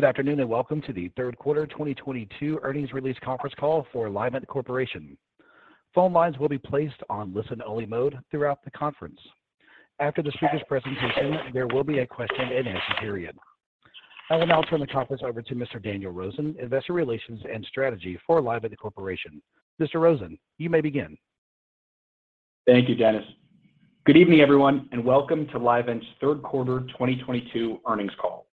Good afternoon, and welcome to the third quarter 2022 earnings release conference call for Livent Corporation. Phone lines will be placed on listen-only mode throughout the conference. After the speaker's presentation, there will be a question-and-answer period. I will now turn the conference over to Mr. Daniel Rosen, Investor Relations and Strategy for Livent Corporation. Mr. Rosen, you may begin. Thank you, Dennis. Good evening, everyone, and welcome to Livent's third quarter 2022 earnings call.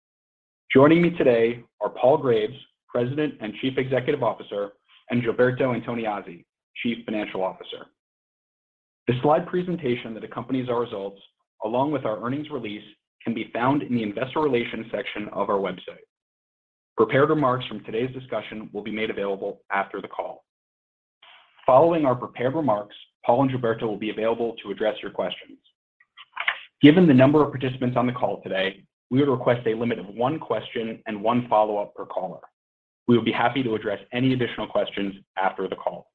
Joining me today are Paul Graves, President and Chief Executive Officer, and Gilberto Antoniazzi, Chief Financial Officer. The slide presentation that accompanies our results, along with our earnings release, can be found in the investor relations section of our website. Prepared remarks from today's discussion will be made available after the call. Following our prepared remarks, Paul and Gilberto will be available to address your questions. Given the number of participants on the call today, we would request a limit of one question and one follow-up per caller. We would be happy to address any additional questions after the call.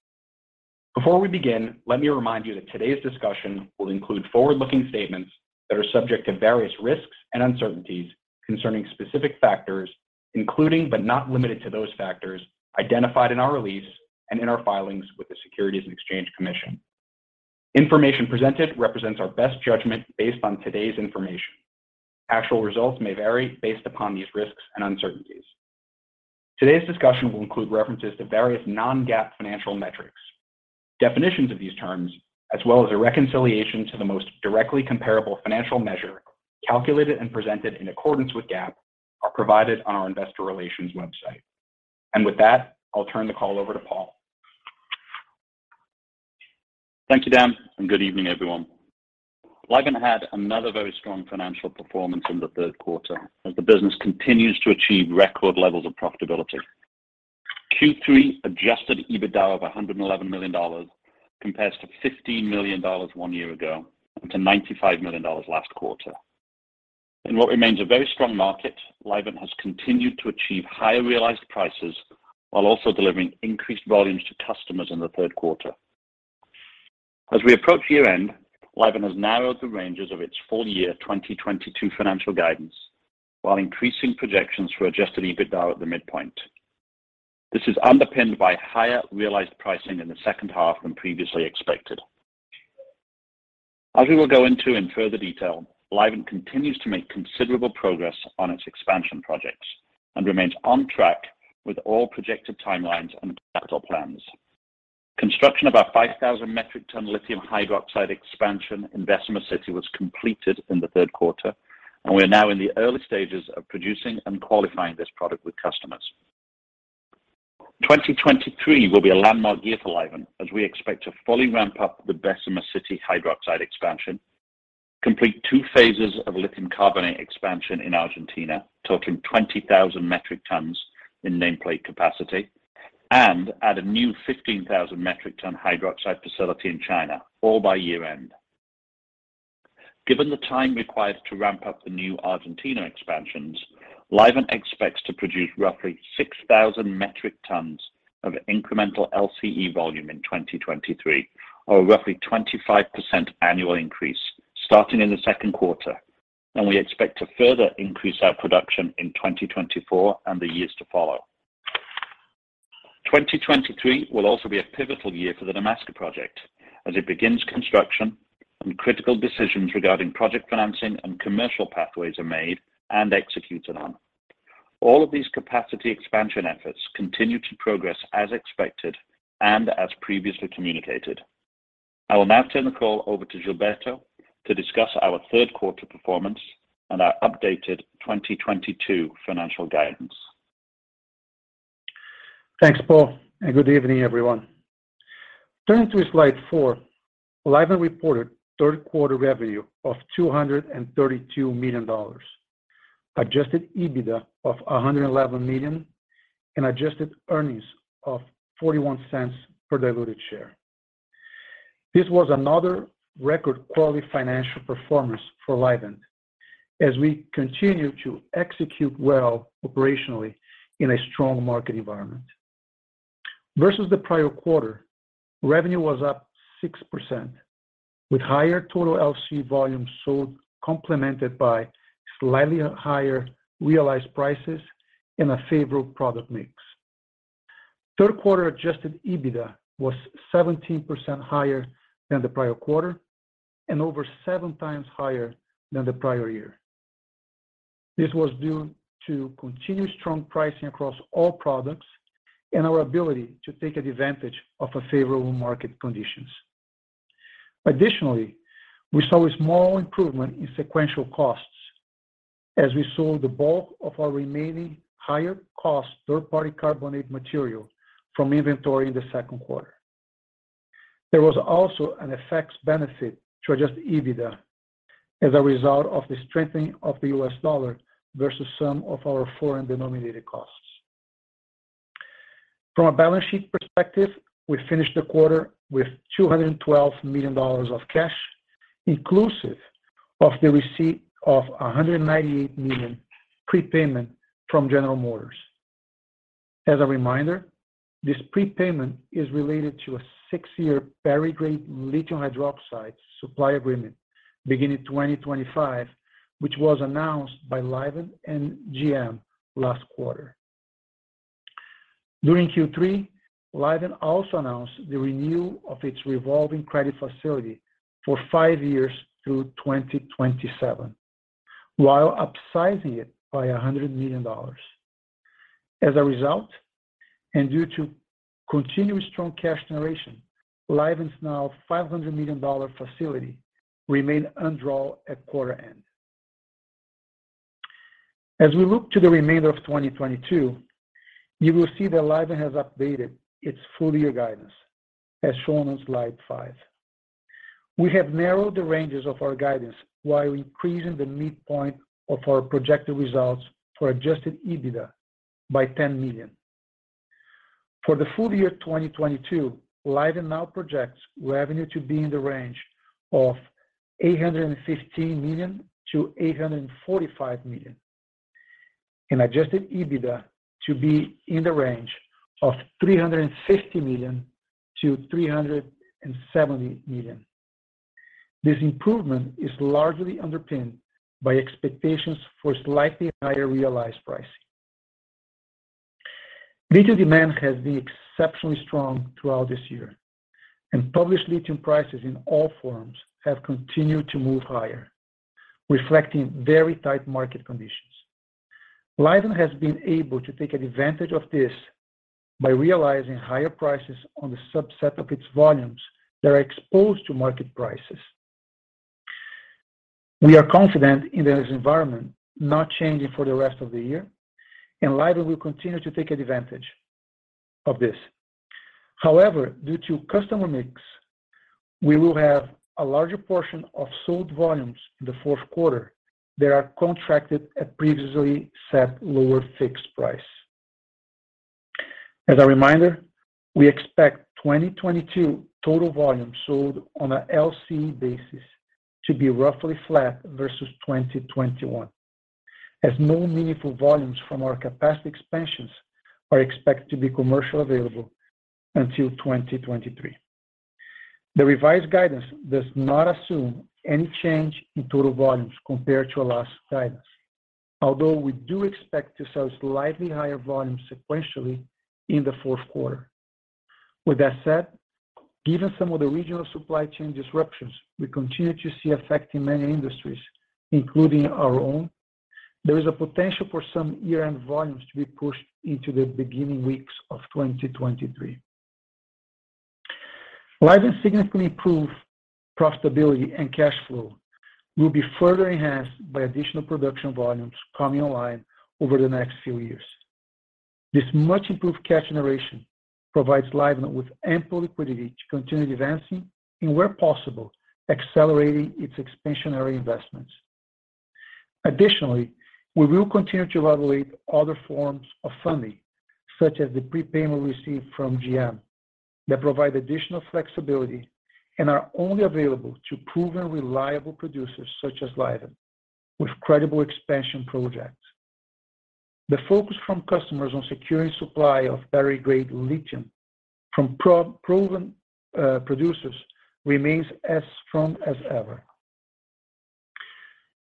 Before we begin, let me remind you that today's discussion will include forward-looking statements that are subject to various risks and uncertainties concerning specific factors, including, but not limited to those factors identified in our release and in our filings with the Securities and Exchange Commission. Information presented represents our best judgment based on today's information. Actual results may vary based upon these risks and uncertainties. Today's discussion will include references to various non-GAAP financial metrics. Definitions of these terms, as well as a reconciliation to the most directly comparable financial measure calculated and presented in accordance with GAAP are provided on our investor relations website. With that, I'll turn the call over to Paul. Thank you, Dan, and good evening, everyone. Livent had another very strong financial performance in the third quarter as the business continues to achieve record levels of profitability. Q3 adjusted EBITDA of $111 million compares to $15 million one year ago and to $95 million last quarter. In what remains a very strong market, Livent has continued to achieve higher realized prices while also delivering increased volumes to customers in the third quarter. As we approach year-end, Livent has narrowed the ranges of its full-year 2022 financial guidance while increasing projections for adjusted EBITDA at the midpoint. This is underpinned by higher realized pricing in the second half than previously expected. As we will go into in further detail, Livent continues to make considerable progress on its expansion projects and remains on track with all projected timelines and capital plans. Construction of our 5,000 metric ton lithium hydroxide expansion in Bessemer City was completed in the third quarter, and we are now in the early stages of producing and qualifying this product with customers. 2023 will be a landmark year for Livent, as we expect to fully ramp up the Bessemer City hydroxide expansion, complete two phases of lithium carbonate expansion in Argentina, totaling 20,000 metric tons in nameplate capacity, and add a new 15,000 metric ton hydroxide facility in China all by year-end. Given the time required to ramp up the new Argentina expansions, Livent expects to produce roughly 6,000 metric tons of incremental LCE volume in 2023, or roughly 25% annual increase starting in the second quarter. We expect to further increase our production in 2024 and the years to follow. 2023 will also be a pivotal year for the Nemaska project as it begins construction and critical decisions regarding project financing and commercial pathways are made and executed on. All of these capacity expansion efforts continue to progress as expected and as previously communicated. I will now turn the call over to Gilberto to discuss our third quarter performance and our updated 2022 financial guidance. Thanks, Paul, and good evening, everyone. Turning to slide four, Livent reported third quarter revenue of $232 million, adjusted EBITDA of $111 million, and adjusted earnings of $0.41 per diluted share. This was another record quality financial performance for Livent as we continue to execute well operationally in a strong market environment. Versus the prior quarter, revenue was up 6%, with higher total LCE volume sold complemented by slightly higher realized prices and a favorable product mix. Third quarter adjusted EBITDA was 17% higher than the prior quarter and over 7x higher than the prior year. This was due to continued strong pricing across all products and our ability to take advantage of a favorable market conditions. Additionally, we saw a small improvement in sequential costs as we sold the bulk of our remaining higher cost third-party carbonate material from inventory in the second quarter. There was also an FX benefit to adjust EBITDA as a result of the strengthening of the US dollar versus some of our foreign denominated costs. From a balance sheet perspective, we finished the quarter with $212 million of cash, inclusive of the receipt of $198 million prepayment from General Motors. As a reminder, this prepayment is related to a six-year battery-grade lithium hydroxide supply agreement beginning 2025, which was announced by Livent and GM last quarter. During Q3, Livent also announced the renewal of its revolving credit facility for five years through 2027, while upsizing it by $100 million. As a result, and due to continuous strong cash generation, Livent's now $500 million facility remained undrawn at quarter end. As we look to the remainder of 2022, you will see that Livent has updated its full year guidance, as shown on slide five. We have narrowed the ranges of our guidance while increasing the midpoint of our projected results for adjusted EBITDA by $10 million. For the full year 2022, Livent now projects revenue to be in the range of $815 million-$845 million, and adjusted EBITDA to be in the range of $350 million-$370 million. This improvement is largely underpinned by expectations for slightly higher realized pricing. Lithium demand has been exceptionally strong throughout this year, and published lithium prices in all forms have continued to move higher, reflecting very tight market conditions. Livent has been able to take advantage of this by realizing higher prices on the subset of its volumes that are exposed to market prices. We are confident in this environment not changing for the rest of the year, and Livent will continue to take advantage of this. However, due to customer mix, we will have a larger portion of sold volumes in the fourth quarter that are contracted at previously set lower fixed price. As a reminder, we expect 2022 total volumes sold on a LCE basis to be roughly flat versus 2021, as no meaningful volumes from our capacity expansions are expected to be commercially available until 2023. The revised guidance does not assume any change in total volumes compared to our last guidance, although we do expect to sell slightly higher volumes sequentially in the fourth quarter. With that said, given some of the regional supply chain disruptions we continue to see affecting many industries, including our own, there is a potential for some year-end volumes to be pushed into the beginning weeks of 2023. Livent's significantly improved profitability and cash flow will be further enhanced by additional production volumes coming online over the next few years. This much improved cash generation provides Livent with ample liquidity to continue advancing and, where possible, accelerating its expansionary investments. Additionally, we will continue to evaluate other forms of funding, such as the prepayment we received from GM, that provide additional flexibility and are only available to proven reliable producers such as Livent with credible expansion projects. The focus from customers on securing supply of battery-grade lithium from proven producers remains as strong as ever.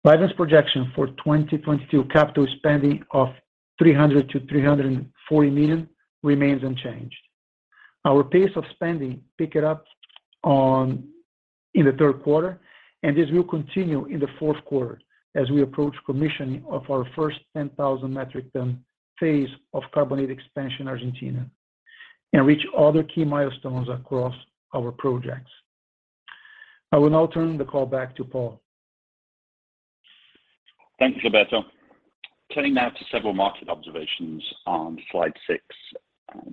Livent's projection for 2022 capital spending of $300 million-$340 million remains unchanged. Our pace of spending picked up in the third quarter, and this will continue in the fourth quarter as we approach commissioning of our first 10,000 metric ton phase of carbonate expansion Argentina, and reach other key milestones across our projects. I will now turn the call back to Paul. Thank you, Roberto. Turning now to several market observations on slide six.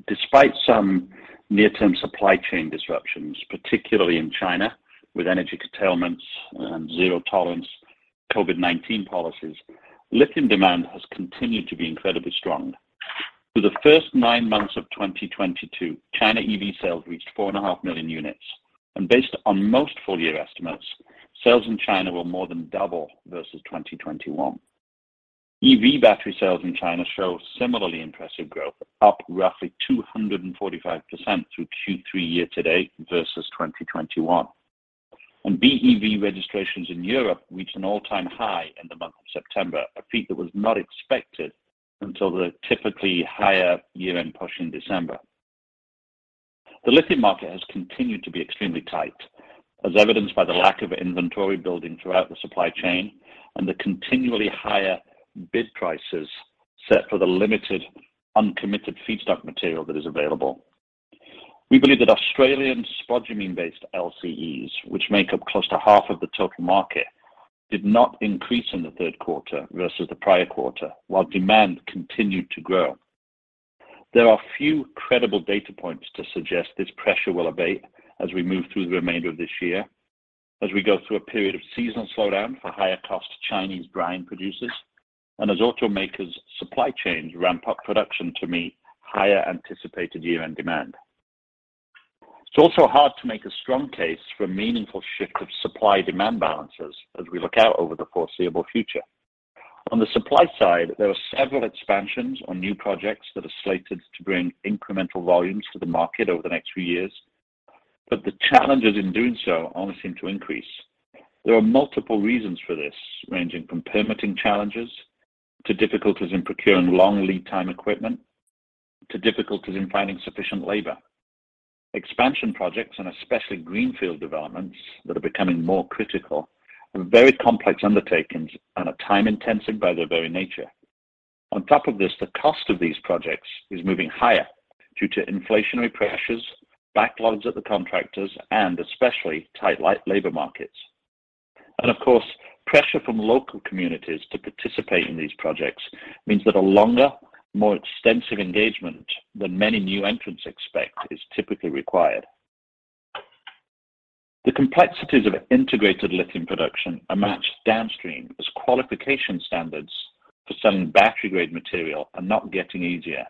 Despite some near-term supply chain disruptions, particularly in China with energy curtailments and zero-tolerance COVID-19 policies, lithium demand has continued to be incredibly strong. Through the first nine months of 2022, China EV sales reached 4.5 million units. Based on most full-year estimates, sales in China will more than double versus 2021. EV battery sales in China show similarly impressive growth, up roughly 245% through Q3 year-to-date versus 2021. BEV registrations in Europe reached an all-time high in the month of September, a feat that was not expected until the typically higher year-end push in December. The lithium market has continued to be extremely tight, as evidenced by the lack of inventory building throughout the supply chain and the continually higher bid prices set for the limited uncommitted feedstock material that is available. We believe that Australian spodumene-based LCEs, which make up close to half of the total market, did not increase in the third quarter versus the prior quarter, while demand continued to grow. There are few credible data points to suggest this pressure will abate as we move through the remainder of this year, as we go through a period of seasonal slowdown for higher cost Chinese brine producers, and as automakers' supply chains ramp up production to meet higher anticipated year-end demand. It's also hard to make a strong case for a meaningful shift of supply-demand balances as we look out over the foreseeable future. On the supply side, there are several expansions or new projects that are slated to bring incremental volumes to the market over the next few years. The challenges in doing so only seem to increase. There are multiple reasons for this, ranging from permitting challenges to difficulties in procuring long lead time equipment to difficulties in finding sufficient labor. Expansion projects and especially greenfield developments that are becoming more critical are very complex undertakings and are time intensive by their very nature. On top of this, the cost of these projects is moving higher due to inflationary pressures, backlogs at the contractors, and especially tight labor markets. Of course, pressure from local communities to participate in these projects means that a longer, more extensive engagement than many new entrants expect is typically required. The complexities of integrated lithium production are matched downstream as qualification standards for selling battery-grade material are not getting easier.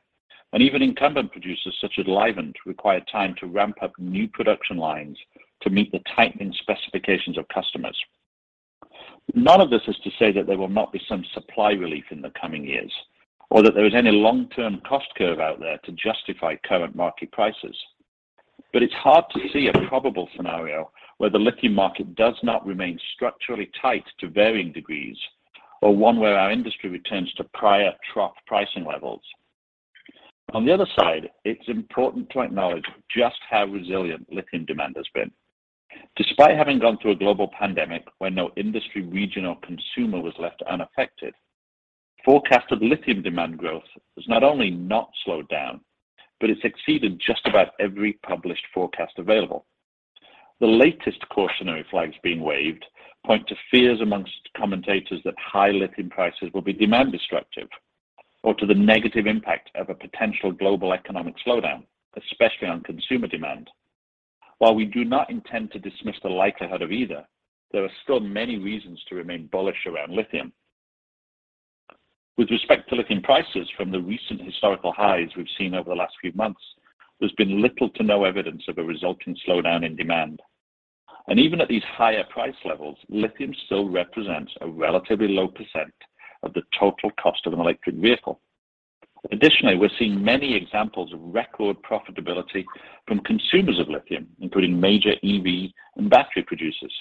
Even incumbent producers such as Livent require time to ramp up new production lines to meet the tightening specifications of customers. None of this is to say that there will not be some supply relief in the coming years or that there is any long-term cost curve out there to justify current market prices. It's hard to see a probable scenario where the lithium market does not remain structurally tight to varying degrees or one where our industry returns to prior trough pricing levels. On the other side, it's important to acknowledge just how resilient lithium demand has been. Despite having gone through a global pandemic where no industry, region, or consumer was left unaffected, forecasted lithium demand growth has not only not slowed down, but it's exceeded just about every published forecast available. The latest cautionary flags being waved point to fears amongst commentators that high lithium prices will be demand destructive or to the negative impact of a potential global economic slowdown, especially on consumer demand. While we do not intend to dismiss the likelihood of either, there are still many reasons to remain bullish around lithium. With respect to lithium prices from the recent historical highs we've seen over the last few months, there's been little to no evidence of a resulting slowdown in demand. Even at these higher price levels, lithium still represents a relatively low percent of the total cost of an electric vehicle. Additionally, we're seeing many examples of record profitability from consumers of lithium, including major EV and battery producers.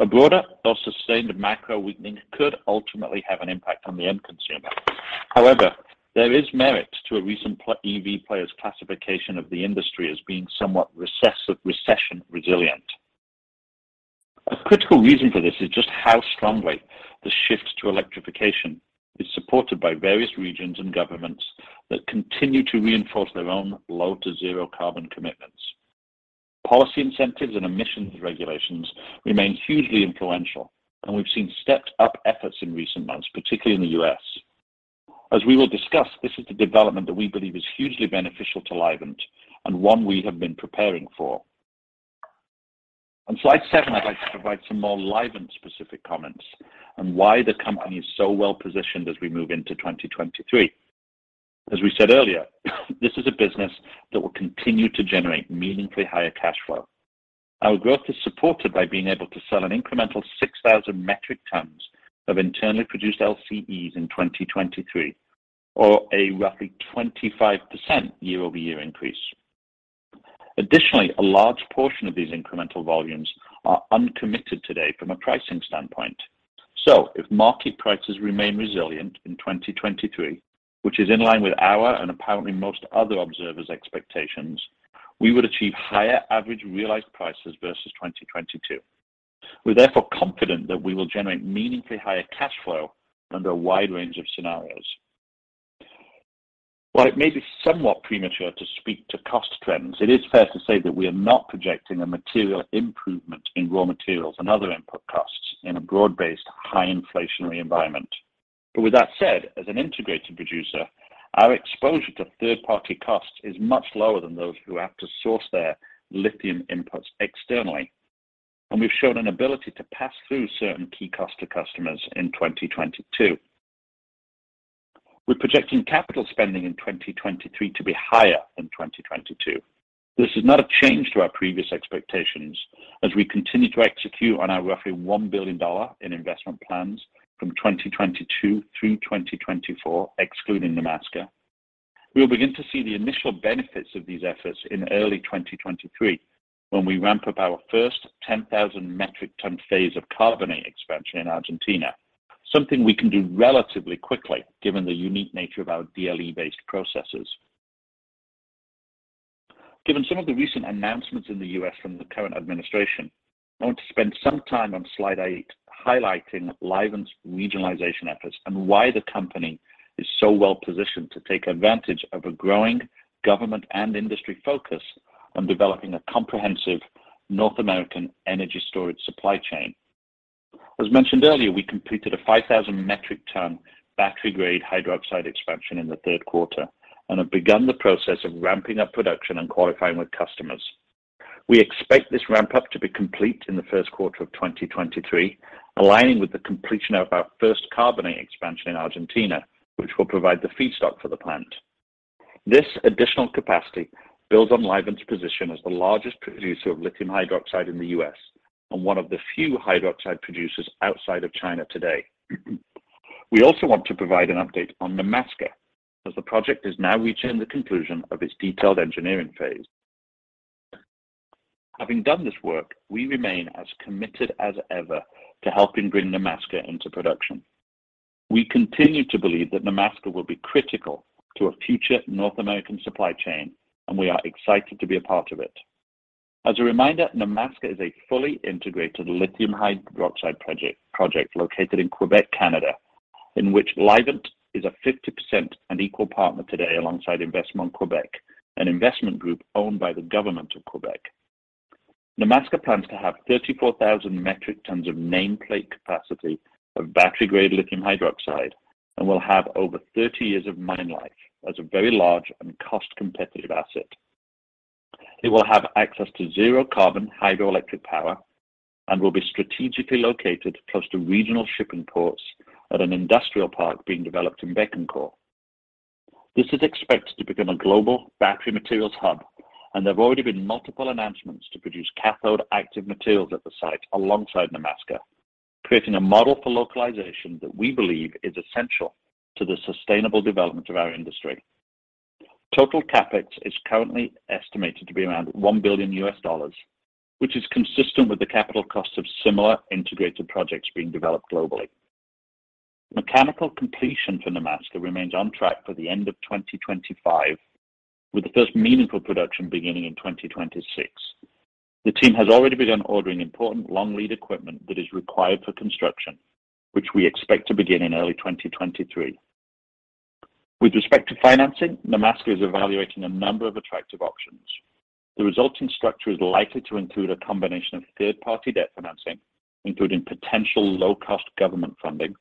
A broader but sustained macro weakening could ultimately have an impact on the end consumer. However, there is merit to a recent EV player's classification of the industry as being somewhat recession resilient. A critical reason for this is just how strongly the shift to electrification is supported by various regions and governments that continue to reinforce their own low to zero carbon commitments. Policy incentives and emissions regulations remain hugely influential, and we've seen stepped up efforts in recent months, particularly in the U.S. As we will discuss, this is the development that we believe is hugely beneficial to Livent and one we have been preparing for. On slide seven, I'd like to provide some more Livent-specific comments on why the company is so well positioned as we move into 2023. As we said earlier, this is a business that will continue to generate meaningfully higher cash flow. Our growth is supported by being able to sell an incremental 6,000 metric tons of internally produced LCEs in 2023 or a roughly 25% year-over-year increase. Additionally, a large portion of these incremental volumes are uncommitted today from a pricing standpoint. If market prices remain resilient in 2023, which is in line with our and apparently most other observers' expectations, we would achieve higher average realized prices versus 2022. We're therefore confident that we will generate meaningfully higher cash flow under a wide range of scenarios. While it may be somewhat premature to speak to cost trends, it is fair to say that we are not projecting a material improvement in raw materials and other input costs in a broad-based high inflationary environment. With that said, as an integrated producer, our exposure to third party costs is much lower than those who have to source their lithium inputs externally. We've shown an ability to pass through certain key costs to customers in 2022. We're projecting capital spending in 2023 to be higher than 2022. This is not a change to our previous expectations as we continue to execute on our roughly $1 billion in investment plans from 2022 through 2024, excluding Nemaska. We will begin to see the initial benefits of these efforts in early 2023 when we ramp up our first 10,000 metric ton phase of carbonate expansion in Argentina, something we can do relatively quickly given the unique nature of our DLE based processes. Given some of the recent announcements in the U.S. from the current administration, I want to spend some time on slide eight highlighting Livent's regionalization efforts and why the company is so well positioned to take advantage of a growing government and industry focus on developing a comprehensive North American energy storage supply chain. As mentioned earlier, we completed a 5,000 metric ton battery grade hydroxide expansion in the third quarter and have begun the process of ramping up production and qualifying with customers. We expect this ramp up to be complete in the first quarter of 2023, aligning with the completion of our first carbonate expansion in Argentina, which will provide the feedstock for the plant. This additional capacity builds on Livent's position as the largest producer of lithium hydroxide in the U.S. and one of the few hydroxide producers outside of China today. We also want to provide an update on Nemaska as the project has now reached the conclusion of its detailed engineering phase. Having done this work, we remain as committed as ever to helping bring Nemaska into production. We continue to believe that Nemaska will be critical to a future North American supply chain, and we are excited to be a part of it. As a reminder, Nemaska is a fully integrated lithium hydroxide project located in Québec, Canada, in which Livent is a 50% and equal partner today alongside Investissement Québec, an investment group owned by the government of Québec. Nemaska plans to have 34,000 metric tons of nameplate capacity of battery-grade lithium hydroxide and will have over 30 years of mine life as a very large and cost-competitive asset. It will have access to zero carbon hydroelectric power and will be strategically located close to regional shipping ports at an industrial park being developed in Bécancour. This is expected to become a global battery materials hub, and there have already been multiple announcements to produce cathode active materials at the site alongside Nemaska, creating a model for localization that we believe is essential to the sustainable development of our industry. Total CapEx is currently estimated to be around $1 billion, which is consistent with the capital costs of similar integrated projects being developed globally. Mechanical completion for Nemaska remains on track for the end of 2025, with the first meaningful production beginning in 2026. The team has already begun ordering important long lead equipment that is required for construction, which we expect to begin in early 2023. With respect to financing, Nemaska is evaluating a number of attractive options. The resulting structure is likely to include a combination of third-party debt financing, including potential low-cost government funding,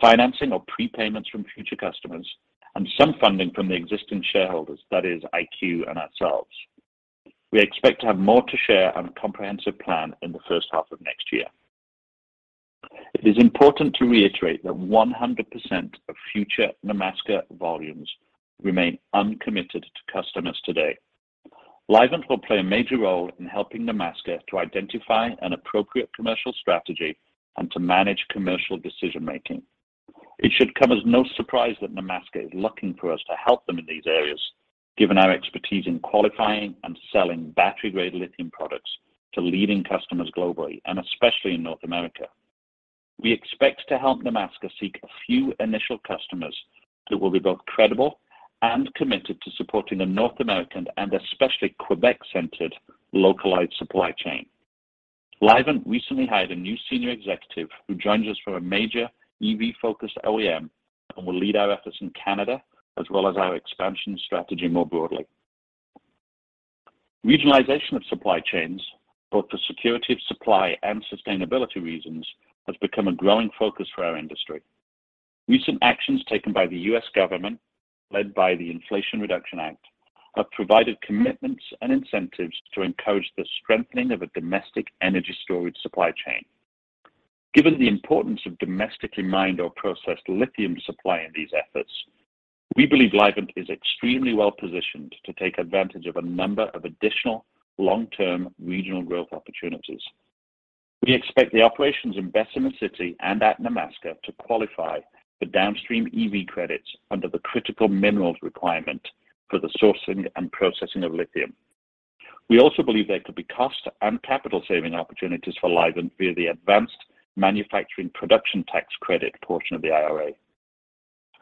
financing or prepayments from future customers, and some funding from the existing shareholders, that is IQ and ourselves. We expect to have more to share on a comprehensive plan in the first half of next year. It is important to reiterate that 100% of future Nemaska volumes remain uncommitted to customers today. Livent will play a major role in helping Nemaska to identify an appropriate commercial strategy and to manage commercial decision-making. It should come as no surprise that Nemaska is looking for us to help them in these areas, given our expertise in qualifying and selling battery-grade lithium products to leading customers globally, and especially in North America. We expect to help Nemaska seek a few initial customers that will be both credible and committed to supporting a North American, and especially Québec-centered, localized supply chain. Livent recently hired a new senior executive who joins us from a major EV-focused OEM and will lead our efforts in Canada as well as our expansion strategy more broadly. Regionalization of supply chains, both for security of supply and sustainability reasons, has become a growing focus for our industry. Recent actions taken by the U.S. government, led by the Inflation Reduction Act, have provided commitments and incentives to encourage the strengthening of a domestic energy storage supply chain. Given the importance of domestically mined or processed lithium supply in these efforts, we believe Livent is extremely well-positioned to take advantage of a number of additional long-term regional growth opportunities. We expect the operations in Bessemer City and at Nemaska to qualify for downstream EV credits under the critical minerals requirement for the sourcing and processing of lithium. We also believe there could be cost and capital saving opportunities for Livent via the Advanced Manufacturing Production Tax Credit portion of the IRA.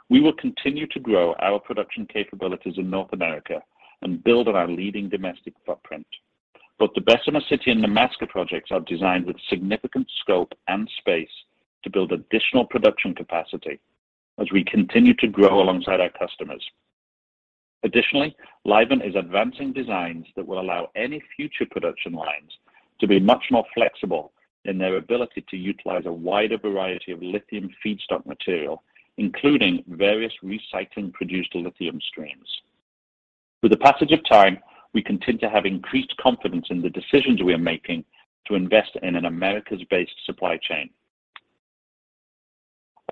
We will continue to grow our production capabilities in North America and build on our leading domestic footprint. Both the Bessemer City and Nemaska projects are designed with significant scope and space to build additional production capacity as we continue to grow alongside our customers. Additionally, Livent is advancing designs that will allow any future production lines to be much more flexible in their ability to utilize a wider variety of lithium feedstock material, including various recycling produced lithium streams. With the passage of time, we continue to have increased confidence in the decisions we are making to invest in an Americas-based supply chain.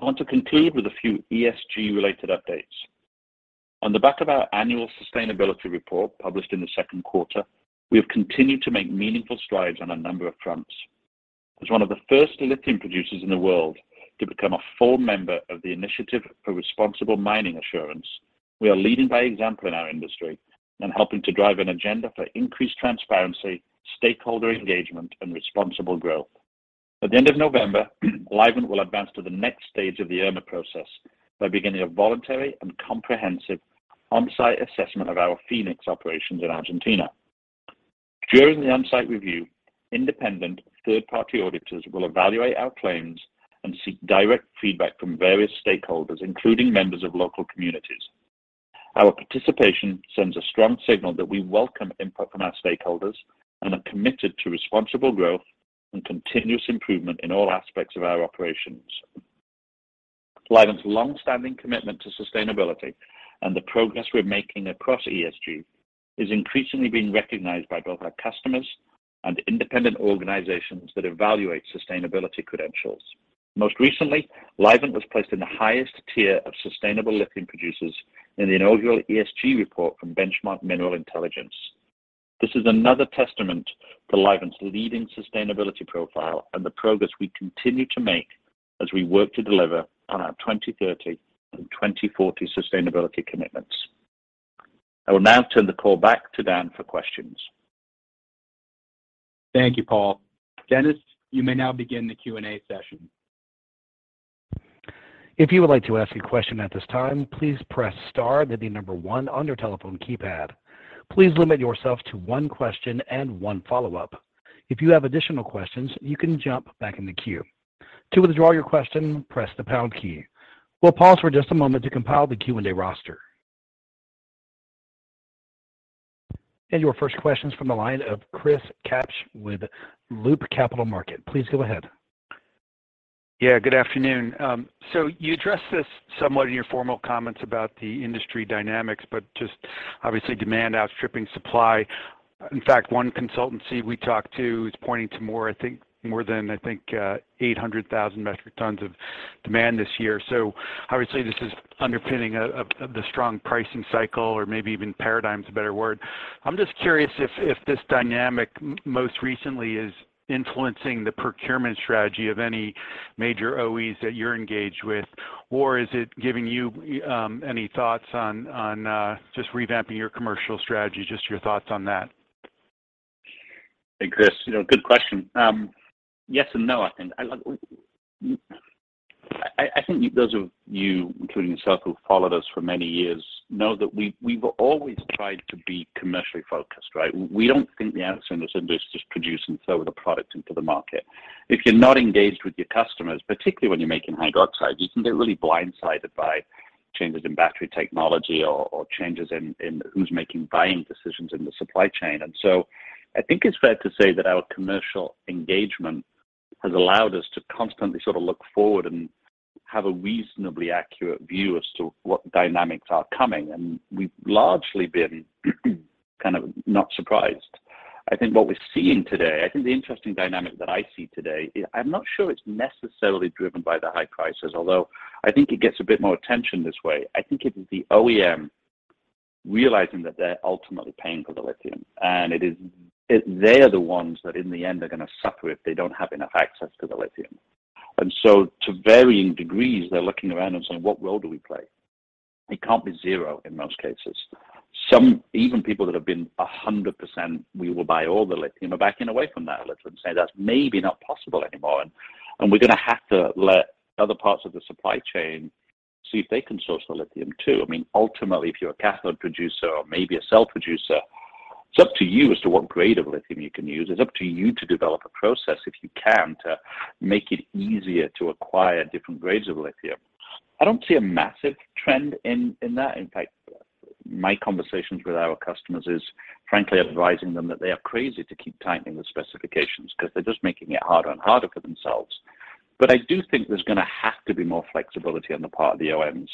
I want to conclude with a few ESG related updates. On the back of our annual sustainability report published in the second quarter, we have continued to make meaningful strides on a number of fronts. As one of the first lithium producers in the world to become a full member of the Initiative for Responsible Mining Assurance, we are leading by example in our industry and helping to drive an agenda for increased transparency, stakeholder engagement, and responsible growth. At the end of November, Livent will advance to the next stage of the IRMA process by beginning a voluntary and comprehensive on-site assessment of our Fénix operations in Argentina. During the on-site review, independent third-party auditors will evaluate our claims and seek direct feedback from various stakeholders, including members of local communities. Our participation sends a strong signal that we welcome input from our stakeholders and are committed to responsible growth and continuous improvement in all aspects of our operations. Livent's longstanding commitment to sustainability and the progress we're making across ESG is increasingly being recognized by both our customers and independent organizations that evaluate sustainability credentials. Most recently, Livent was placed in the highest tier of sustainable lithium producers in the inaugural ESG report from Benchmark Mineral Intelligence. This is another testament to Livent's leading sustainability profile and the progress we continue to make as we work to deliver on our 2030 and 2040 sustainability commitments. I will now turn the call back to Dan for questions. Thank you, Paul. Dennis, you may now begin the Q&A session. If you would like to ask a question at this time, please press star then the number one on your telephone keypad. Please limit yourself to one question and one follow-up. If you have additional questions, you can jump back in the queue. To withdraw your question, press the pound key. We'll pause for just a moment to compile the Q&A roster. Your first question's from the line of Chris Kapsch with Loop Capital Markets. Please go ahead. Yeah, good afternoon. You addressed this somewhat in your formal comments about the industry dynamics, but just obviously demand outstripping supply. In fact, one consultancy we talked to is pointing to more than 800,000 metric tons of demand this year. Obviously, this is underpinning the strong pricing cycle or maybe even paradigm is a better word. I'm just curious if this dynamic most recently is influencing the procurement strategy of any major OEs that you're engaged with, or is it giving you any thoughts on just revamping your commercial strategy? Just your thoughts on that. Hey, Chris. You know, good question. Yes and no, I think. I like, I think those of you, including yourself, who followed us for many years, know that we've always tried to be commercially focused, right? We don't think the answer in this industry is just produce and throw the product into the market. If you're not engaged with your customers, particularly when you're making hydroxides, you can get really blindsided by changes in battery technology or changes in who's making buying decisions in the supply chain. I think it's fair to say that our commercial engagement has allowed us to constantly sort of look forward and have a reasonably accurate view as to what dynamics are coming. We've largely been kind of not surprised. I think what we're seeing today. I think the interesting dynamic that I see today. I'm not sure it's necessarily driven by the high prices, although I think it gets a bit more attention this way. I think it is the OEM realizing that they're ultimately paying for the lithium, and it is, they are the ones that in the end are going to suffer if they don't have enough access to the lithium. To varying degrees, they're looking around and saying, "What role do we play?" It can't be zero in most cases. Some, even people that have been 100%, we will buy all the lithium, are backing away from that a little and saying, "That's maybe not possible anymore, and we're going to have to let other parts of the supply chain see if they can source the lithium, too." I mean, ultimately, if you're a cathode producer or maybe a cell producer, it's up to you as to what grade of lithium you can use. It's up to you to develop a process, if you can, to make it easier to acquire different grades of lithium. I don't see a massive trend in that. In fact, my conversations with our customers is frankly advising them that they are crazy to keep tightening the specifications because they're just making it harder and harder for themselves. I do think there's going to have to be more flexibility on the part of the OEMs.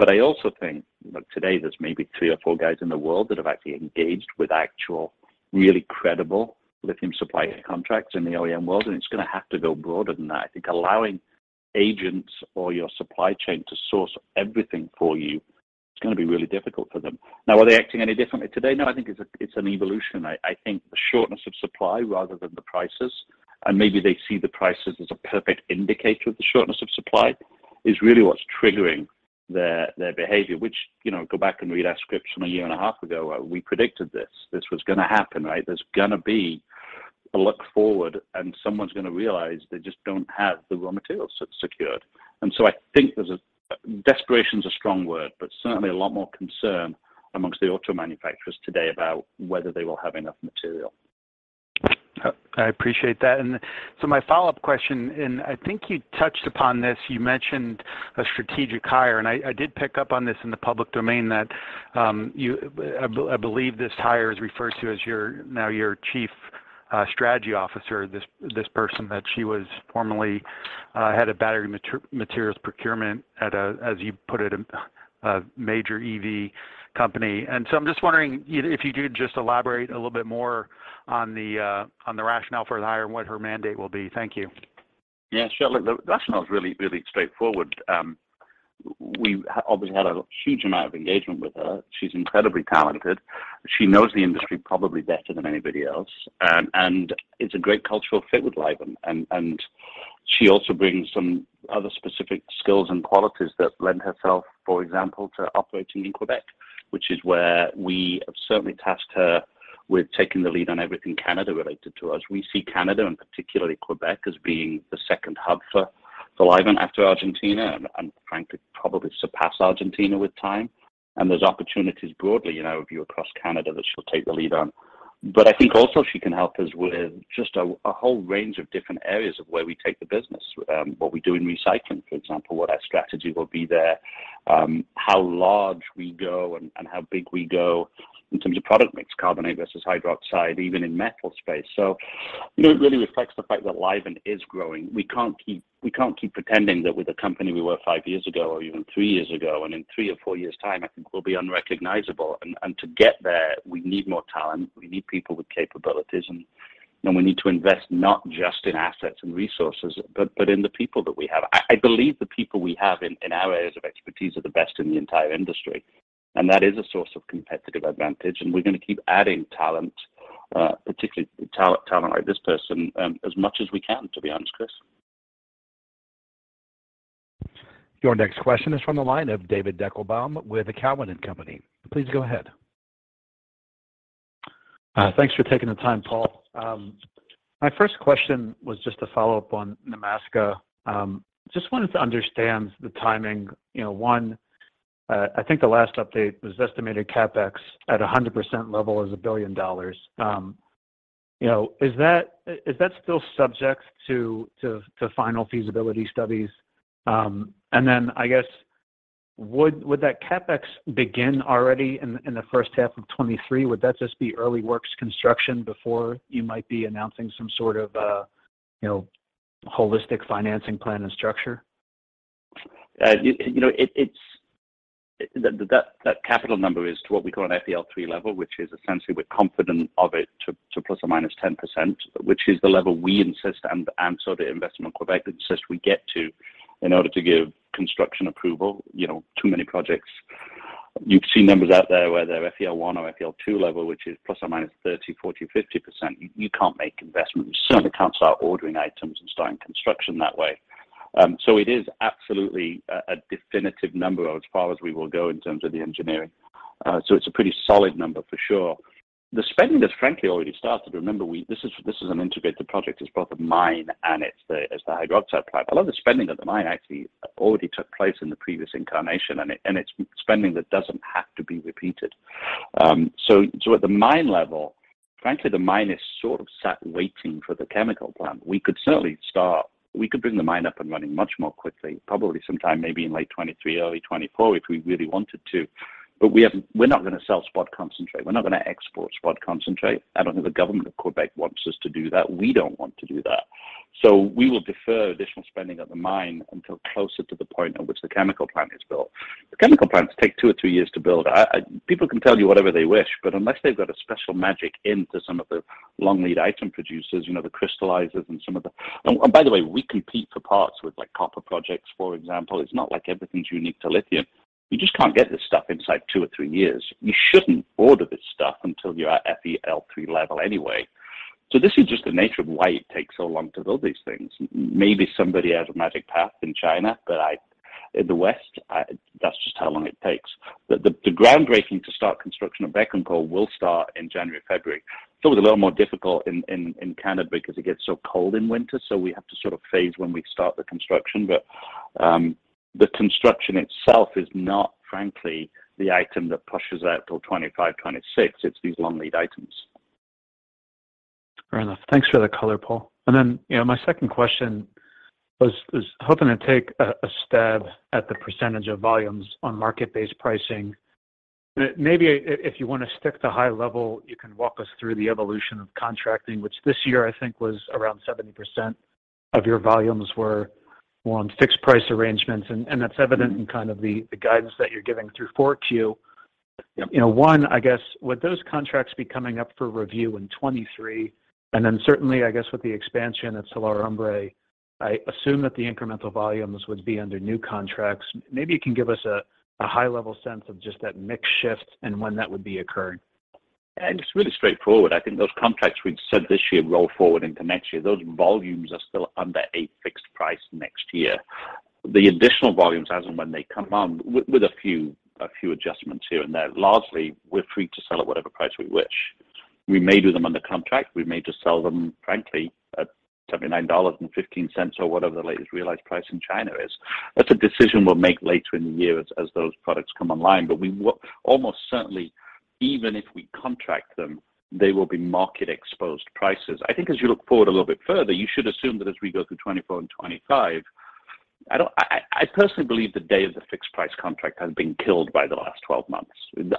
I also think look, today there's maybe three or four guys in the world that have actually engaged with actual, really credible lithium supply contracts in the OEM world, and it's going to have to go broader than that. I think allowing agents or your supply chain to source everything for you, it's going to be really difficult for them. Now, are they acting any differently today? No, I think it's a, it's an evolution. I think the shortness of supply rather than the prices, and maybe they see the prices as a perfect indicator of the shortness of supply, is really what's triggering their behavior, which, you know, go back and read our scripts from a year and a half ago. We predicted this. This was going to happen, right? There's going to be a look forward, and someone's going to realize they just don't have the raw materials secured. I think there's a, desperation's a strong word, but certainly a lot more concern among the auto manufacturers today about whether they will have enough material. I appreciate that. My follow-up question, and I think you touched upon this, you mentioned a strategic hire, and I did pick up on this in the public domain that I believe this hire is referred to as your now your Chief Strategy Officer, this person, that she was formerly head of battery materials procurement at a, as you put it, a major EV company. I'm just wondering if you do just elaborate a little bit more on the rationale for the hire and what her mandate will be. Thank you. Yeah, sure. Look, the rationale is really, really straightforward. We obviously had a huge amount of engagement with her. She's incredibly talented. She knows the industry probably better than anybody else. It's a great cultural fit with Livent. She also brings some other specific skills and qualities that lend herself, for example, to operating in Québec, which is where we have certainly tasked her with taking the lead on everything Canada related to us. We see Canada and particularly Québec as being the second hub for Livent after Argentina. Frankly, probably surpass Argentina with time. There's opportunities broadly in our view across Canada that she'll take the lead on. I think also she can help us with just a whole range of different areas of where we take the business, what we do in recycling, for example, what our strategy will be there, how large we go and how big we go in terms of product mix, carbonate versus hydroxide, even in metal space. You know, it really reflects the fact that Livent is growing. We can't keep pretending that we're the company we were five years ago or even three years ago. In three or four years time, I think we'll be unrecognizable. To get there, we need more talent. We need people with capabilities, and we need to invest not just in assets and resources, but in the people that we have. I believe the people we have in our areas of expertise are the best in the entire industry, and that is a source of competitive advantage, and we're going to keep adding talent, particularly talent like this person, as much as we can, to be honest, Chris. Your next question is from the line of David Deckelbaum with Cowen & Co. Please go ahead. Thanks for taking the time, Paul. My first question was just a follow-up on Nemaska. Just wanted to understand the timing. You know, one, I think the last update was estimated CapEx at 100% level is $1 billion. You know, is that still subject to final feasibility studies? And then I guess, would that CapEx begin already in the first half of 2023? Would that just be early works construction before you might be announcing some sort of holistic financing plan and structure? You know, that capital number is what we call an FEL 3 level, which is essentially we're confident of it to ±10%, which is the level we insist and so the Investissement Québec insist we get to in order to give construction approval. You know, too many projects. You've seen numbers out there where they're FEL 1 or FEL 2 level, which is ±30%, 40%, 50%. You can't make investments. You certainly can't start ordering items and starting construction that way. It is absolutely a definitive number or as far as we will go in terms of the engineering. It's a pretty solid number for sure. The spending has frankly already started. Remember, this is an integrated project. It's both a mine and it's the hydroxide plant. A lot of the spending of the mine actually already took place in the previous incarnation, and it's spending that doesn't have to be repeated. At the mine level, frankly, the mine is sort of sat waiting for the chemical plant. We could certainly start. We could bring the mine up and running much more quickly, probably sometime maybe in late 2023, early 2024, if we really wanted to. We haven't—we're not gonna sell spot concentrate. We're not gonna export spot concentrate. I don't think the government of Québec wants us to do that. We don't want to do that. We will defer additional spending at the mine until closer to the point at which the chemical plant is built. The chemical plants take two or three years to build. People can tell you whatever they wish, but unless they've got a special magic into some of the long lead item producers, you know, the crystallizers and some of the. By the way, we compete for parts with, like, copper projects, for example. It's not like everything's unique to lithium. You just can't get this stuff inside two or three years. You shouldn't order this stuff until you're at FEL 3 level anyway. This is just the nature of why it takes so long to build these things. Maybe somebody has a magic path in China, but in the West, that's just how long it takes. The groundbreaking to start construction of Bécancour will start in January, February. Still is a little more difficult in Canada because it gets so cold in winter, so we have to sort of phase when we start the construction. The construction itself is not, frankly, the item that pushes out till 2025, 2026. It's these long lead items. Fair enough. Thanks for the color, Paul. You know, my second question was hoping to take a stab at the percentage of volumes on market-based pricing. Maybe if you want to stick to high level, you can walk us through the evolution of contracting, which this year I think was around 70% of your volumes were on fixed price arrangements, and that's evident in kind of the guidance that you're giving through 4Q. Yep. You know, one, I guess, would those contracts be coming up for review in 2023? Then certainly, I guess with the expansion at Sal de Vida, I assume that the incremental volumes would be under new contracts. Maybe you can give us a high-level sense of just that mix shift and when that would be occurring. It's really straightforward. I think those contracts we've said this year roll forward into next year. Those volumes are still under a fixed price next year. The additional volumes as and when they come on with a few adjustments here and there, largely we're free to sell at whatever price we wish. We may do them under contract. We may just sell them frankly at $79.15 or whatever the latest realized price in China is. That's a decision we'll make later in the year as those products come online. We will almost certainly, even if we contract them, they will be market exposed prices. I think as you look forward a little bit further, you should assume that as we go through 2024 and 2025, I personally believe the day of the fixed price contract has been killed by the last 12 months.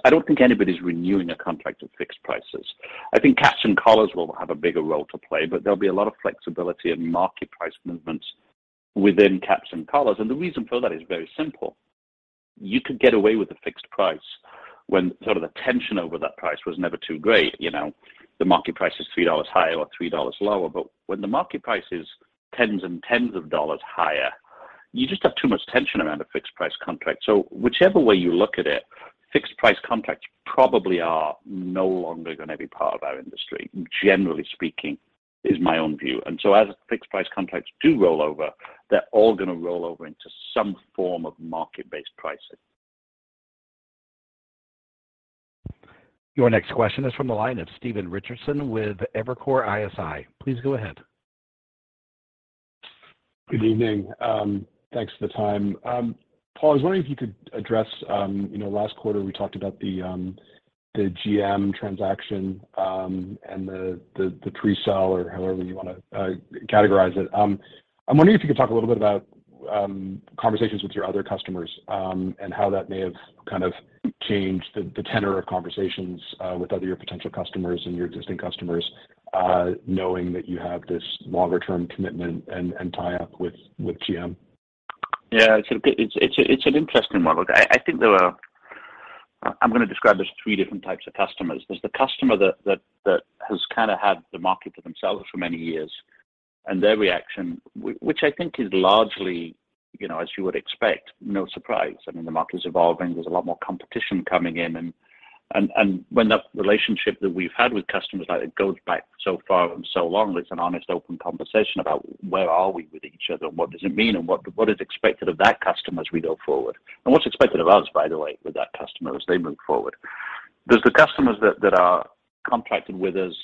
I don't think anybody's renewing a contract at fixed prices. I think caps and collars will have a bigger role to play, but there'll be a lot of flexibility and market price movements within caps and collars. And the reason for that is very simple. You could get away with a fixed price when sort of the tension over that price was never too great. You know, the market price is $3 higher or $3 lower. When the market price is tens and tens of dollars higher, you just have too much tension around a fixed price contract. Whichever way you look at it, fixed price contracts probably are no longer gonna be part of our industry, generally speaking, is my own view. As fixed price contracts do roll over, they're all gonna roll over into some form of market-based pricing. Your next question is from the line of Stephen Richardson with Evercore ISI. Please go ahead. Good evening. Thanks for the time. Paul, I was wondering if you could address, you know, last quarter we talked about the GM transaction, and the pre-sell or however you wanna categorize it. I'm wondering if you could talk a little bit about conversations with your other customers, and how that may have kind of changed the tenor of conversations with your potential customers and your existing customers, knowing that you have this longer term commitment and tie up with GM. Yeah. It's an interesting one. Look, I think there are. I'm gonna describe as three different types of customers. There's the customer that has kinda had the market to themselves for many years, and their reaction, which I think is largely, you know, as you would expect, no surprise. I mean, the market is evolving. There's a lot more competition coming in and when the relationship that we've had with customers, like it goes back so far and so long, it's an honest, open conversation about where are we with each other and what does it mean and what is expected of that customer as we go forward. What's expected of us, by the way, with that customer as they move forward. There's the customers that are contracted with us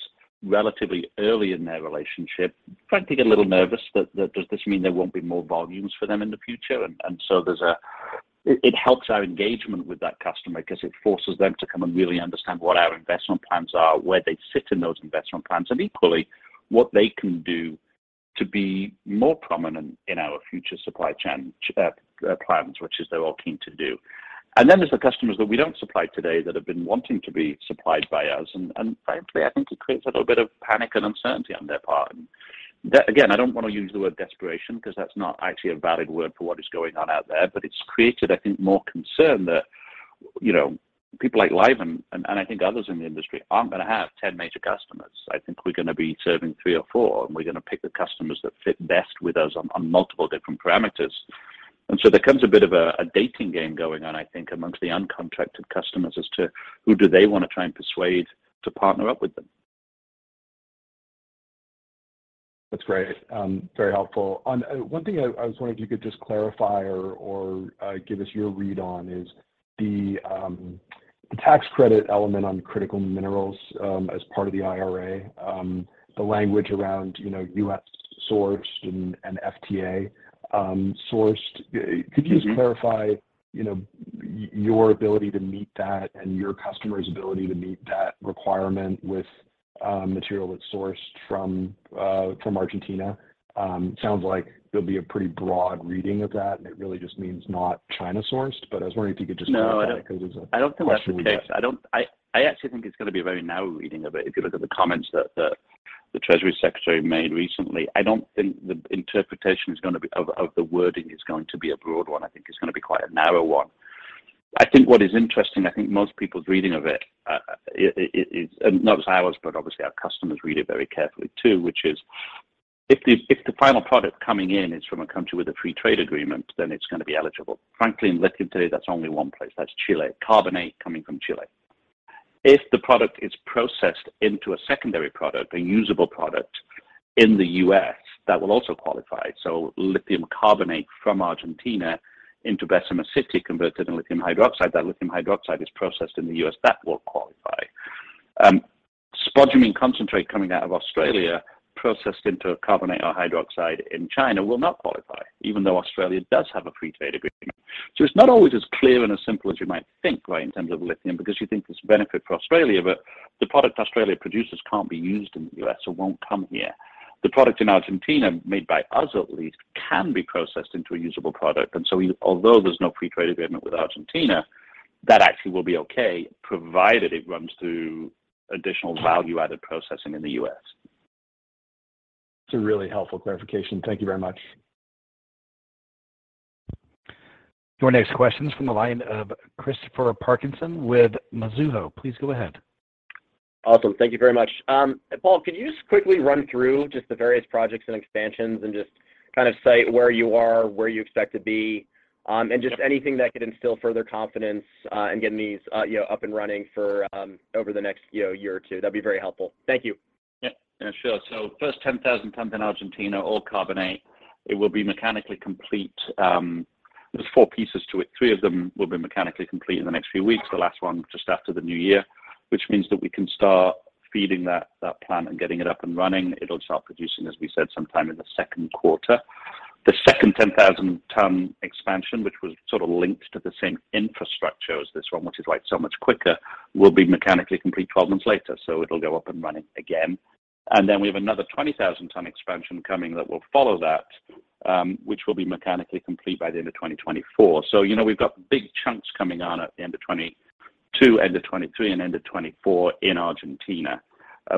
relatively early in their relationship, frankly, get a little nervous that does this mean there won't be more volumes for them in the future? It helps our engagement with that customer 'cause it forces them to come and really understand what our investment plans are, where they sit in those investment plans, and equally, what they can do to be more prominent in our future supply chain plans, which is they're all keen to do. Then there's the customers that we don't supply today that have been wanting to be supplied by us, and frankly, I think it creates a little bit of panic and uncertainty on their part. That, again, I don't wanna use the word desperation 'cause that's not actually a valid word for what is going on out there. It's created, I think, more concern that, you know, people like Livent and I think others in the industry aren't gonna have 10 major customers. I think we're gonna be serving three or fou, and we're gonna pick the customers that fit best with us on multiple different parameters. There comes a bit of a dating game going on, I think, amongst the uncontracted customers as to who do they wanna try and persuade to partner up with them. That's great. Very helpful. On one thing I was wondering if you could just clarify or give us your read on is the tax credit element on critical minerals as part of the IRA. The language around, you know, U.S. sourced and FTA sourced. Could you just clarify, you know, your ability to meet that and your customer's ability to meet that requirement with material that's sourced from Argentina? Sounds like there'll be a pretty broad reading of that, and it really just means not China sourced. I was wondering if you could just talk about it 'cause it's a question we get. No, I don't think that's the case. I actually think it's gonna be a very narrow reading of it if you look at the comments that the Janet Yellen made recently. I don't think the interpretation is gonna be of the wording is going to be a broad one. I think it's gonna be quite a narrow one. I think what is interesting. I think most people's reading of it is, and not as ours, but obviously our customers read it very carefully too, which is if the final product coming in is from a country with a free trade agreement, then it's gonna be eligible. Frankly, in lithium today, that's only one place. That's Chile. Carbonate coming from Chile. If the product is processed into a secondary product, a usable product in the U.S., that will also qualify. Lithium carbonate from Argentina into Bessemer City converted in lithium hydroxide, that lithium hydroxide is processed in the U.S., that will qualify. Spodumene concentrate coming out of Australia, processed into a carbonate or hydroxide in China will not qualify, even though Australia does have a free trade agreement. It's not always as clear and as simple as you might think, right, in terms of lithium because you think there's benefit for Australia, but the product Australia produces can't be used in the U.S., so won't come here. The product in Argentina made by us, at least, can be processed into a usable product. Although there's no free trade agreement with Argentina, that actually will be okay, provided it runs through additional value-added processing in the U.S. That's a really helpful clarification. Thank you very much. Your next question is from the line of Christopher Parkinson with Mizuho. Please go ahead. Awesome. Thank you very much. Paul, could you just quickly run through just the various projects and expansions and just kind of cite where you are, where you expect to be, and just anything that could instill further confidence in getting these, you know, up and running for over the next, you know, year or two? That'd be very helpful. Thank you. Yeah. Yeah, sure. First 10,000 tons in Argentina, all carbonate. It will be mechanically complete. There's four pieces to it. Three of them will be mechanically complete in the next few weeks. The last one just after the new year, which means that we can start feeding that plant and getting it up and running. It'll start producing, as we said, sometime in the second quarter. The second 10,000-ton expansion, which was sort of linked to the same infrastructure as this one, which is why it's so much quicker, will be mechanically complete 12 months later. It'll go up and running again. We have another 20,000-ton expansion coming that will follow that, which will be mechanically complete by the end of 2024. You know, we've got big chunks coming on at the end of 2022, end of 2023, and end of 2024 in Argentina.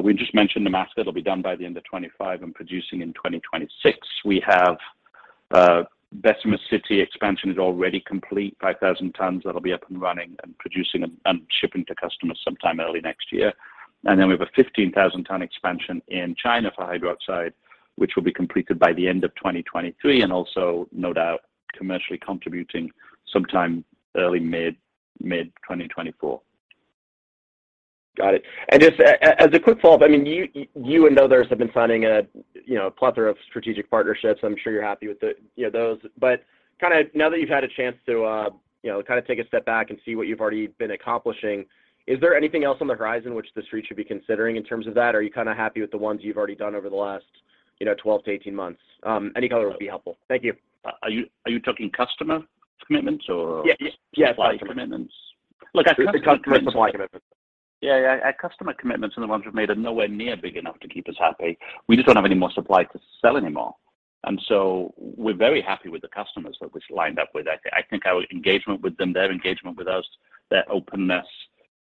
We just mentioned Nemaska. That'll be done by the end of 2025 and producing in 2026. We have Bessemer City expansion is already complete, 5,000 tons that'll be up and running and producing and shipping to customers sometime early next year. Then we have a 15,000-ton expansion in China for hydroxide, which will be completed by the end of 2023 and also, no doubt, commercially contributing sometime early mid-2024. Got it. Just as a quick follow-up, I mean, you and others have been signing a, you know, plethora of strategic partnerships. I'm sure you're happy with the, you know, those. Kinda now that you've had a chance to, you know, kind of take a step back and see what you've already been accomplishing, is there anything else on the horizon which the street should be considering in terms of that? Are you kinda happy with the ones you've already done over the last, you know, 12 months-18 months? Any color would be helpful. Thank you. Are you talking customer commitments or? Yes. Yes supply commitments? Look, I think. Customer and supply commitments. Yeah, yeah. Our customer commitments, the ones we've made, are nowhere near big enough to keep us happy. We just don't have any more supply to sell anymore. We're very happy with the customers that we've lined up with. I think our engagement with them, their engagement with us, their openness,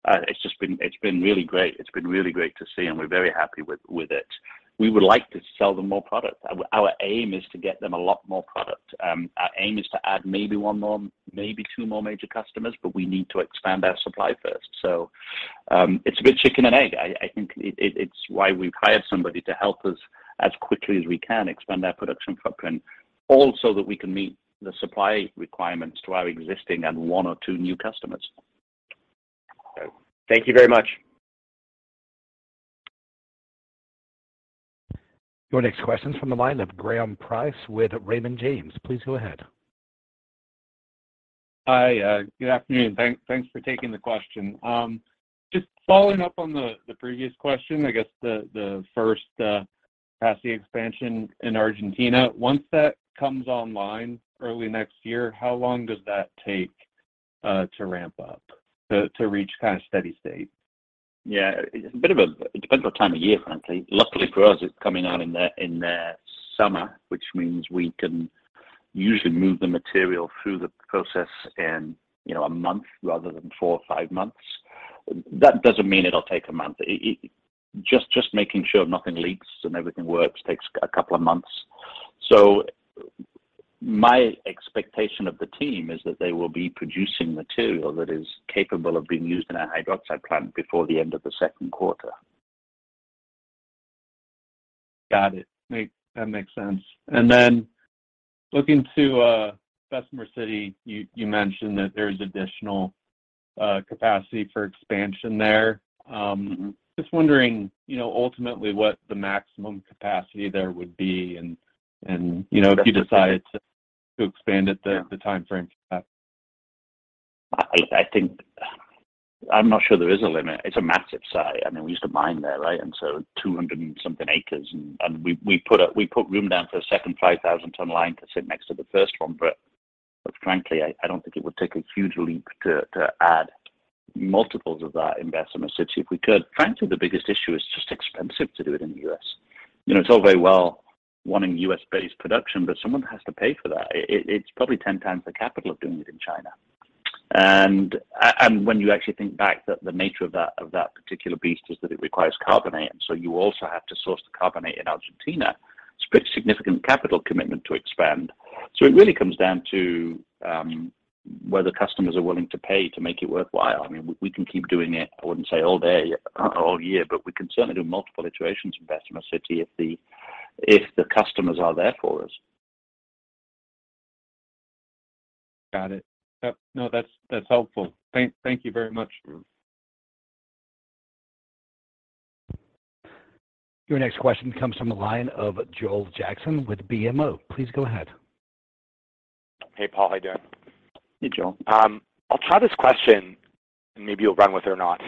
it's just been really great. It's been really great to see, and we're very happy with it. We would like to sell them more product. Our aim is to get them a lot more product. Our aim is to add maybe one more, maybe two more major customers, but we need to expand our supply first. It's a bit chicken and egg. I think it's why we've hired somebody to help us as quickly as we can expand our production footprint, all so that we can meet the supply requirements to our existing and one or two new customers. Thank you very much. Your next question is from the line of Graham Price with Raymond James. Please go ahead. Hi. Good afternoon. Thanks for taking the question. Just following up on the previous question, I guess the first capacity expansion in Argentina. Once that comes online early next year, how long does that take to ramp up to reach kind of steady state? Yeah. It's a bit of a. It depends what time of year, frankly. Luckily for us, it's coming out in their summer, which means we can usually move the material through the process in, you know, a month rather than four months or five months. That doesn't mean it'll take a month. It. Just making sure nothing leaks and everything works takes a couple of months. My expectation of the team is that they will be producing material that is capable of being used in a hydroxide plant before the end of the second quarter. Got it. That makes sense. Looking to Bessemer City, you mentioned that there's additional capacity for expansion there. Just wondering, you know, ultimately, what the maximum capacity there would be and, you know, if you decide to expand it? Yeah. The timeframe for that. I think I'm not sure there is a limit. It's a massive site. I mean, we used to mine there, right? 200-something acres. We put room down for a second 5,000-ton line to sit next to the first one, but frankly, I don't think it would take a huge leap to add multiples of that in Bessemer City if we could. Frankly, the biggest issue, it's just expensive to do it in the U.S. You know, it's all very well wanting U.S.-based production, but someone has to pay for that. It's probably 10x the capital of doing it in China. When you actually think back that the nature of that particular beast is that it requires carbonate, and you also have to source the carbonate in Argentina. It's a pretty significant capital commitment to expand. It really comes down to whether customers are willing to pay to make it worthwhile. I mean, we can keep doing it. I wouldn't say all day, all year, but we can certainly do multiple iterations in Bessemer City if the customers are there for us. Got it. Yep. No, that's helpful. Thank you very much. Your next question comes from the line of Joel Jackson with BMO. Please go ahead. Hey, Paul. How you doing? Hey, Joel. I'll try this question, and maybe you'll run with it or not.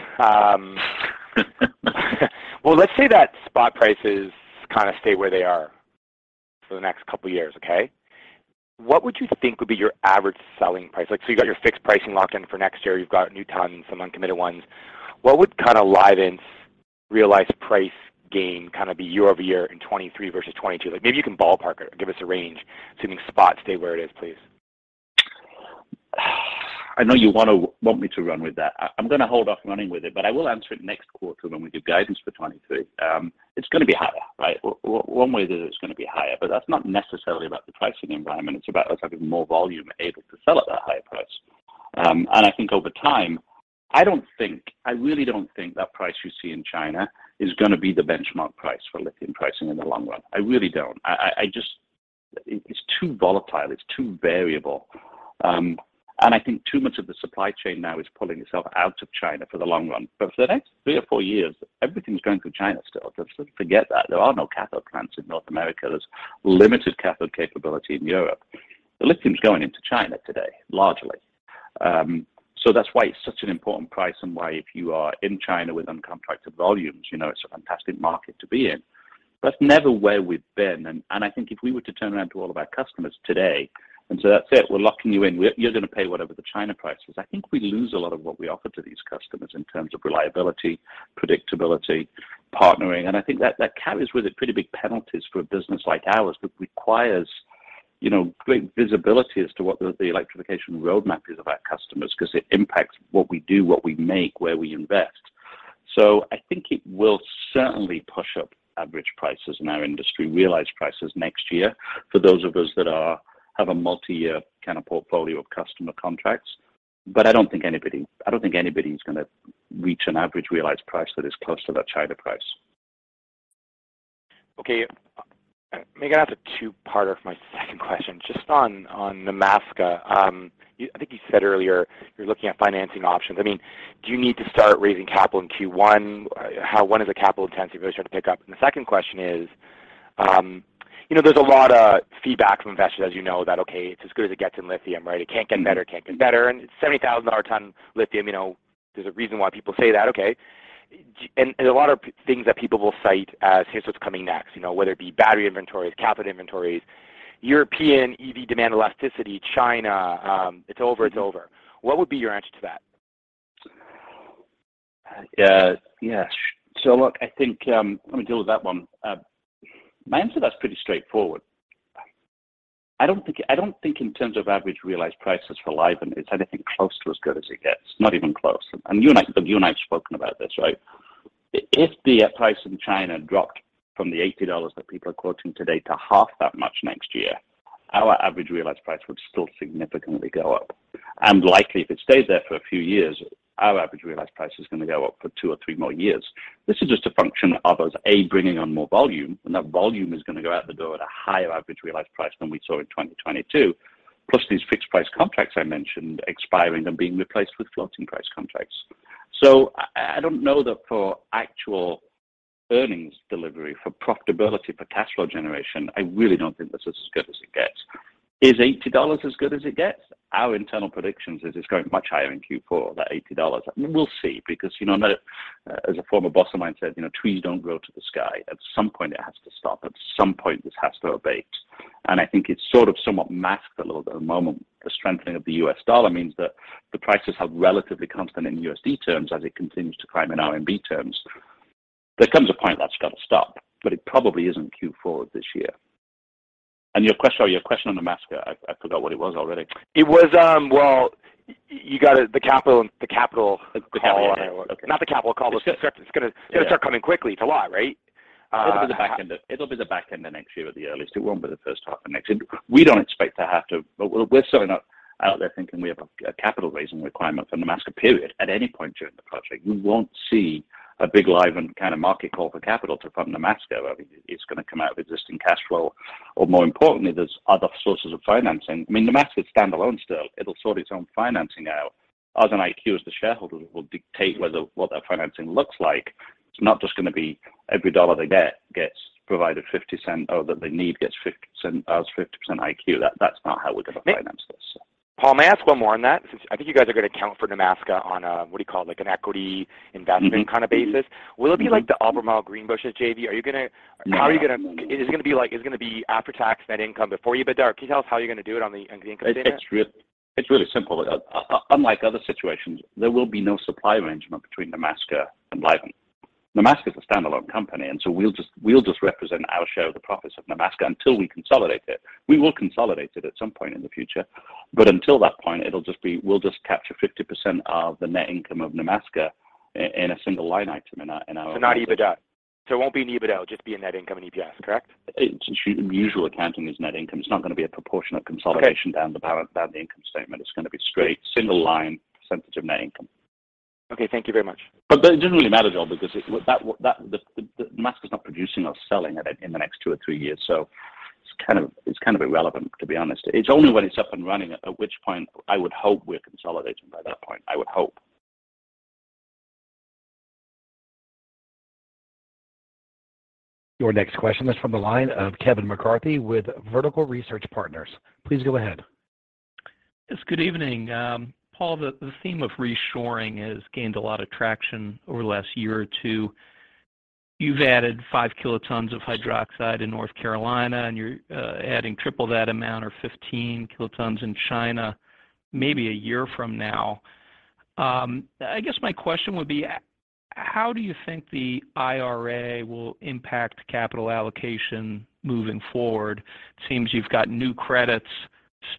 Well, let's say that spot prices kind of stay where they are for the next couple of years, okay? What would you think would be your average selling price? Like, so you've got your fixed pricing locked in for next year. You've got new tons, some uncommitted ones. What would kind of Livent's realized price gain kind of be year-over-year in 2023 versus 2022? Like, maybe you can ballpark it or give us a range assuming spots stay where it is, please. I know you want me to run with that. I'm gonna hold off running with it, but I will answer it next quarter when we do guidance for 2023. It's gonna be higher, right? One way or the other, it's gonna be higher. That's not necessarily about the pricing environment, it's about us having more volume able to sell at that higher price. I think over time, I really don't think that price you see in China is gonna be the benchmark price for lithium pricing in the long run. I really don't. I just. It's too volatile. It's too variable. I think too much of the supply chain now is pulling itself out of China for the long run. For the next three or four years, everything's going through China still. Let's forget that. There are no cathode plants in North America. There's limited cathode capability in Europe. The lithium's going into China today, largely. That's why it's such an important price and why if you are in China with uncontracted volumes, you know it's a fantastic market to be in. It's never where we've been. I think if we were to turn around to all of our customers today and say, "That's it. We're locking you in. You're gonna pay whatever the China price is," I think we'd lose a lot of what we offer to these customers in terms of reliability, predictability, partnering. I think that carries with it pretty big penalties for a business like ours that requires, you know, great visibility as to what the electrification roadmap is of our customers because it impacts what we do, what we make, where we invest. I think it will certainly push up average prices in our industry, realized prices next year for those of us that have a multiyear kind of portfolio of customer contracts. I don't think anybody's gonna reach an average realized price that is close to that China price. Okay. Make it as a two-parter for my second question. Just on Nemaska, I think you said earlier you're looking at financing options. I mean, do you need to start raising capital in Q1? When does the capital intensity really start to pick up. The second question is, you know, there's a lot of feedback from investors, as you know, that, okay, it's as good as it gets in lithium, right? It can't get better, it can't get better. It's $70,000 a ton lithium, you know, there's a reason why people say that. Okay. A lot of things that people will cite as here's what's coming next, you know, whether it be battery inventories, cathode inventories, European EV demand elasticity, China, it's over, it's over. What would be your answer to that? Yeah. Look, I think, let me deal with that one. My answer to that is pretty straightforward. I don't think in terms of average realized prices for Livent it's anything close to as good as it gets. Not even close. You and I have spoken about this, right? If the price in China dropped from the $80 that people are quoting today to half that much next year, our average realized price would still significantly go up. Likely, if it stays there for a few years, our average realized price is going to go up for two or three more years. This is just a function of us, A, bringing on more volume, and that volume is going to go out the door at a higher average realized price than we saw in 2022. Plus these fixed price contracts I mentioned expiring and being replaced with floating price contracts. I don't know that for actual earnings delivery, for profitability, for cash flow generation, I really don't think this is as good as it gets. Is $80 as good as it gets? Our internal predictions is it's going much higher in Q4, that $80. We'll see, because, you know, as a former boss of mine said, you know, trees don't grow to the sky. At some point it has to stop. At some point this has to abate. I think it's sort of somewhat masked a little bit at the moment. The strengthening of the US dollar means that the prices have relatively constant in USD terms as it continues to climb in RMB terms. There comes a point that's got to stop, but it probably isn't Q4 of this year. Your question on Nemaska. I forgot what it was already. It was, well, you got it. The capital call. The capital. Okay. Not the capital call, but it's gonna start coming quickly. It's a lot, right? It'll be the back end of next year at the earliest. It won't be the first half of next year. We're certainly not out there thinking we have a capital raising requirement for Nemaska, period, at any point during the project. We won't see a big Livent kind of market call for capital to fund Nemaska. It's going to come out of existing cash flow or more importantly, there's other sources of financing. I mean, Nemaska is standalone still. It'll sort its own financing out. Us and IQ as the shareholders will dictate whether what that financing looks like. It's not just going to be every dollar they get gets provided $0.50, or that they need gets $0.50, us 50% IQ. That's not how we're going to finance this. Paul, may I ask one more on that? Since I think you guys are going to count for Nemaska on a, what do you call it, like an equity investment kind of basis. .Will it be like the Albemarle Greenbushes JV? Are you gonna- No. Is it gonna be like after-tax net income before EBITDA? Can you tell us how you're gonna do it on the income statement? It's really simple. Unlike other situations, there will be no supply arrangement between Nemaska and Livent. Nemaska is a standalone company, and so we'll just represent our share of the profits of Nemaska until we consolidate it. We will consolidate it at some point in the future, but until that point, it'll just be, we'll just capture 50% of the net income of Nemaska in a single line item in our Not EBITDA. It won't be an EBITDA, it'll just be a net income and EPS, correct? Usual accounting is net income. It's not going to be a proportionate consolidation. Okay. down the income statement. It's going to be straight single line percentage of net income. Okay, thank you very much. It doesn't really matter at all because the Nemaska's not producing or selling it in the next two or three years. It's kind of irrelevant, to be honest. It's only when it's up and running, at which point I would hope we're consolidating by that point. I would hope. Your next question is from the line of Kevin McCarthy with Vertical Research Partners. Please go ahead. Yes, good evening. Paul, the theme of reshoring has gained a lot of traction over the last year or two. You've added 5 kilotons of hydroxide in North Carolina, and you're adding triple that amount or 15 kilotons in China maybe a year from now. I guess my question would be, how do you think the IRA will impact capital allocation moving forward? It seems you've got new credits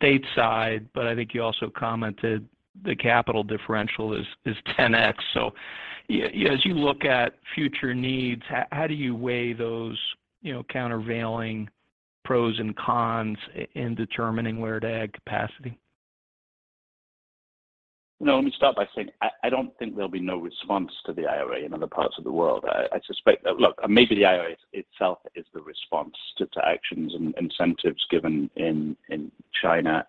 stateside, but I think you also commented the capital differential is 10x. You know, as you look at future needs, how do you weigh those, you know, countervailing pros and cons in determining where to add capacity? No, let me start by saying I don't think there'll be no response to the IRA in other parts of the world. I suspect that. Look, maybe the IRA itself is the response to actions and incentives given in China.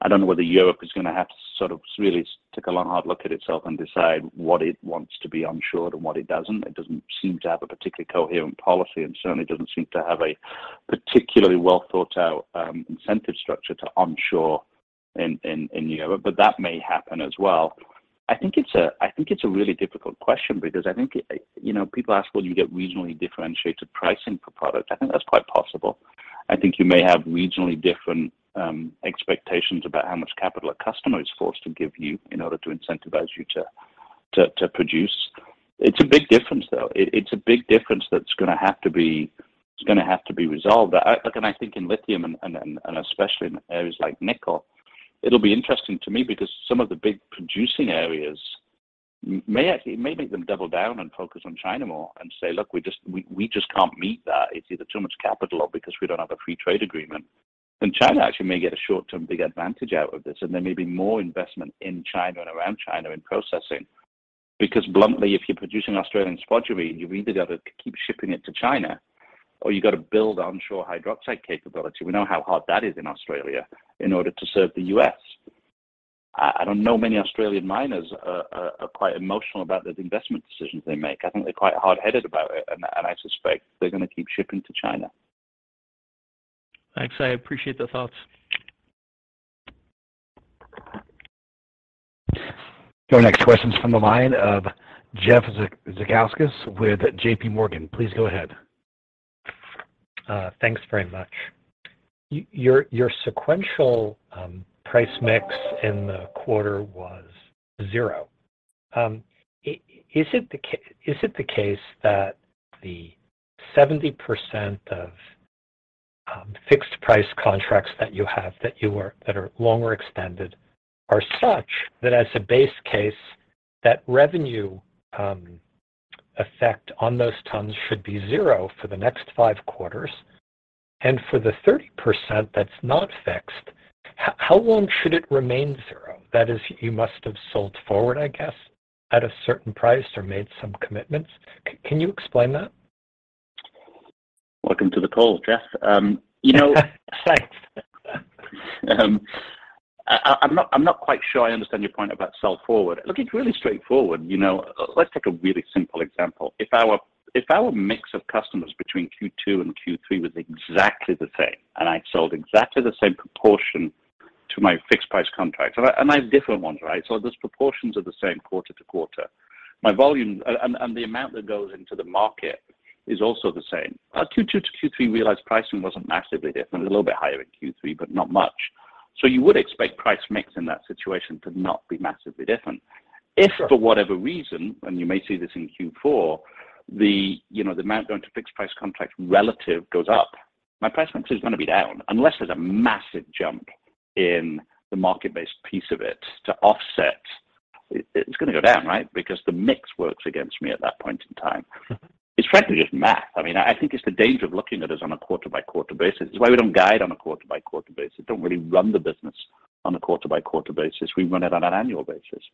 I don't know whether Europe is going to have to sort of really take a long, hard look at itself and decide what it wants to be onshored and what it doesn't. It doesn't seem to have a particularly coherent policy and certainly doesn't seem to have a particularly well-thought-out incentive structure to onshore in Europe. That may happen as well. I think it's a really difficult question because I think, you know, people ask will you get regionally differentiated pricing for products? I think that's quite possible. I think you may have regionally different expectations about how much capital a customer is forced to give you in order to incentivize you to produce. It's a big difference, though. It's a big difference that's gonna have to be resolved. I think in lithium and especially in areas like nickel, it'll be interesting to me because some of the big producing areas may actually make them double down and focus on China more and say, "Look, we just can't meet that. It's either too much capital or because we don't have a free trade agreement." China actually may get a short-term big advantage out of this, and there may be more investment in China and around China in processing. Because bluntly, if you're producing Australian spodumene, you've either got to keep shipping it to China or you've got to build onshore hydroxide capability, we know how hard that is in Australia, in order to serve the U.S. I don't know many Australian miners are quite emotional about the investment decisions they make. I think they're quite hard-headed about it, and I suspect they're going to keep shipping to China. Thanks. I appreciate the thoughts. Your next question is from the line of Jeff Zekauskas with JPMorgan. Please go ahead. Thanks very much. Your sequential price mix in the quarter was zero. Is it the case that the 70% of fixed price contracts that you have that are longer extended are such that as a base case that revenue effect on those tons should be zero for the next five quarters and for the 30% that's not fixed, how long should it remain zero? That is, you must have sold forward, I guess, at a certain price or made some commitments. Can you explain that? Welcome to the call, Jeff. Thanks. I'm not quite sure I understand your point about sell forward. Look, it's really straightforward. You know, let's take a really simple example. If our mix of customers between Q2 and Q3 was exactly the same, and I sold exactly the same proportion to my fixed price contracts, and I have different ones, right? Those proportions are the same quarter to quarter. My volume and the amount that goes into the market is also the same. Q2 to Q3 realized pricing wasn't massively different. A little bit higher in Q3, but not much. You would expect price mix in that situation to not be massively different. Sure. If for whatever reason, and you may see this in Q4, you know, the amount going to fixed price contracts relative goes up, my price mix is gonna be down unless there's a massive jump in the market-based piece of it to offset. It's gonna go down, right? Because the mix works against me at that point in time. It's frankly just math. I mean, I think it's the danger of looking at us on a quarter-by-quarter basis. It's why we don't guide on a quarter-by-quarter basis, don't really run the business on a quarter-by-quarter basis. We run it on an annual basis.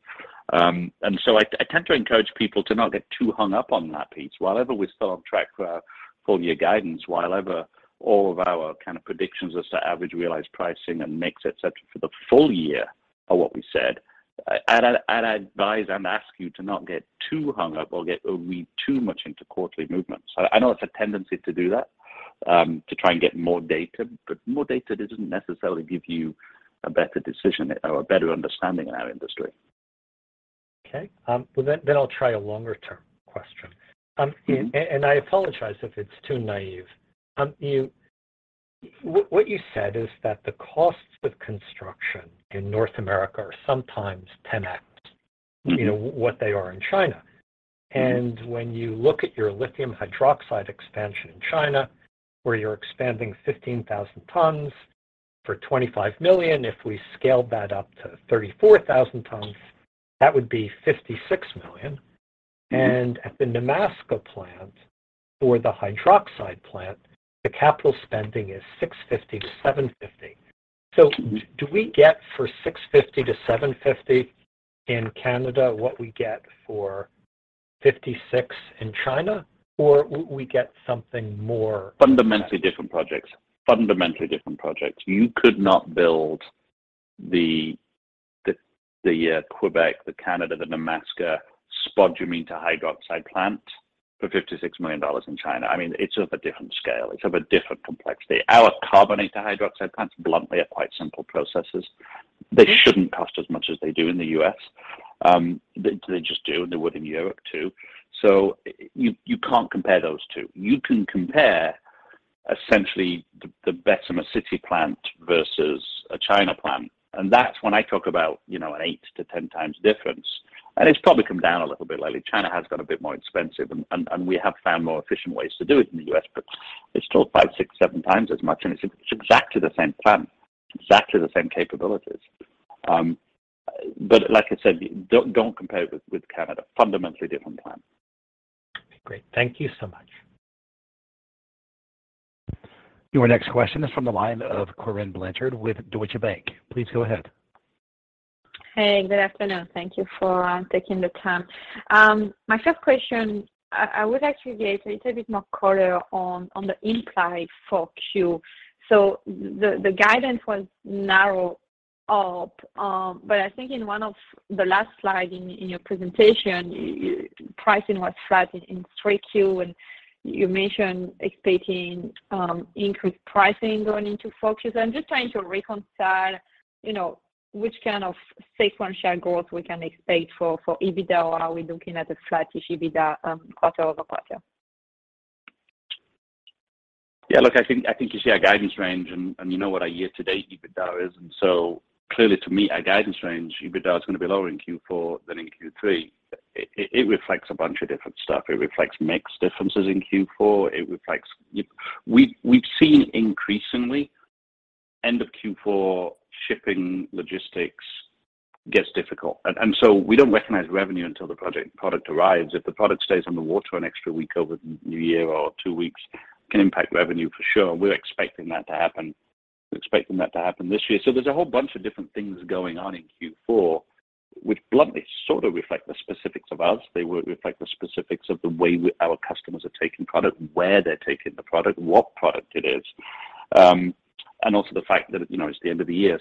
I tend to encourage people to not get too hung up on that piece. While ever we're still on track for our full year guidance, while ever all of our kind of predictions as to average realized pricing and mix, et cetera, for the full year are what we said, I'd advise and ask you to not get too hung up or read too much into quarterly movements. I know it's a tendency to do that, to try and get more data, but more data doesn't necessarily give you a better decision or a better understanding in our industry. Okay. Well, I'll try a longer term question. I apologize if it's too naive. What you said is that the costs of construction in North America are sometimes 10x, you know, what they are in China. When you look at your lithium hydroxide expansion in China, where you're expanding 15,000 tons for $25 million, if we scale that up to 34,000 tons, that would be $56 million. At the Nemaska plant for the hydroxide plant, the capital spending is $650-$750. Do we get for $650-$750 in Canada what we get for $56 million in China, or we get something more? Fundamentally different projects. You could not build the Québec, Canada, Nemaska spodumene to hydroxide plant for $56 million in China. I mean, it's of a different scale. It's of a different complexity. Our carbonate to hydroxide plants, bluntly, are quite simple processes. They shouldn't cost as much as they do in the U.S. They just do, and they would in Europe too. You can't compare those two. You can compare essentially the Bessemer City plant versus a China plant, and that's when I talk about, you know, an 8x-10x difference. It's probably come down a little bit lately. China has got a bit more expensive and we have found more efficient ways to do it in the U.S., but it's still 5x, 6x, 7x as much, and it's exactly the same plant, exactly the same capabilities. But like I said, don't compare with Canada. Fundamentally different plant. Great. Thank you so much. Your next question is from the line of Corinne Blanchard with Deutsche Bank. Please go ahead. Hey, good afternoon. Thank you for taking the time. My first question, I would actually get a little bit more color on the implied 4Q. The guidance was narrowed up, but I think in one of the last slides in your presentation, pricing was flat in 3Q, and you mentioned expecting increased pricing going into 4Q. I'm just trying to reconcile, you know, what kind of safe run-rate growth we can expect for EBITDA. Are we looking at a flattish EBITDA quarter-over-quarter? Yeah, look, I think you see our guidance range and you know what our year-to-date EBITDA is, and so clearly to me, our guidance range EBITDA is gonna be lower in Q4 than in Q3. It reflects a bunch of different stuff. It reflects mix differences in Q4. It reflects we've seen increasingly end of Q4 shipping logistics gets difficult. We don't recognize revenue until the product arrives. If the product stays on the water an extra week over new year or two weeks can impact revenue for sure. We're expecting that to happen. We're expecting that to happen this year. There's a whole bunch of different things going on in Q4 which bluntly sort of reflect the specifics of us. They reflect the specifics of the way our customers are taking product, where they're taking the product, what product it is, and also the fact that, you know, it's the end of the year.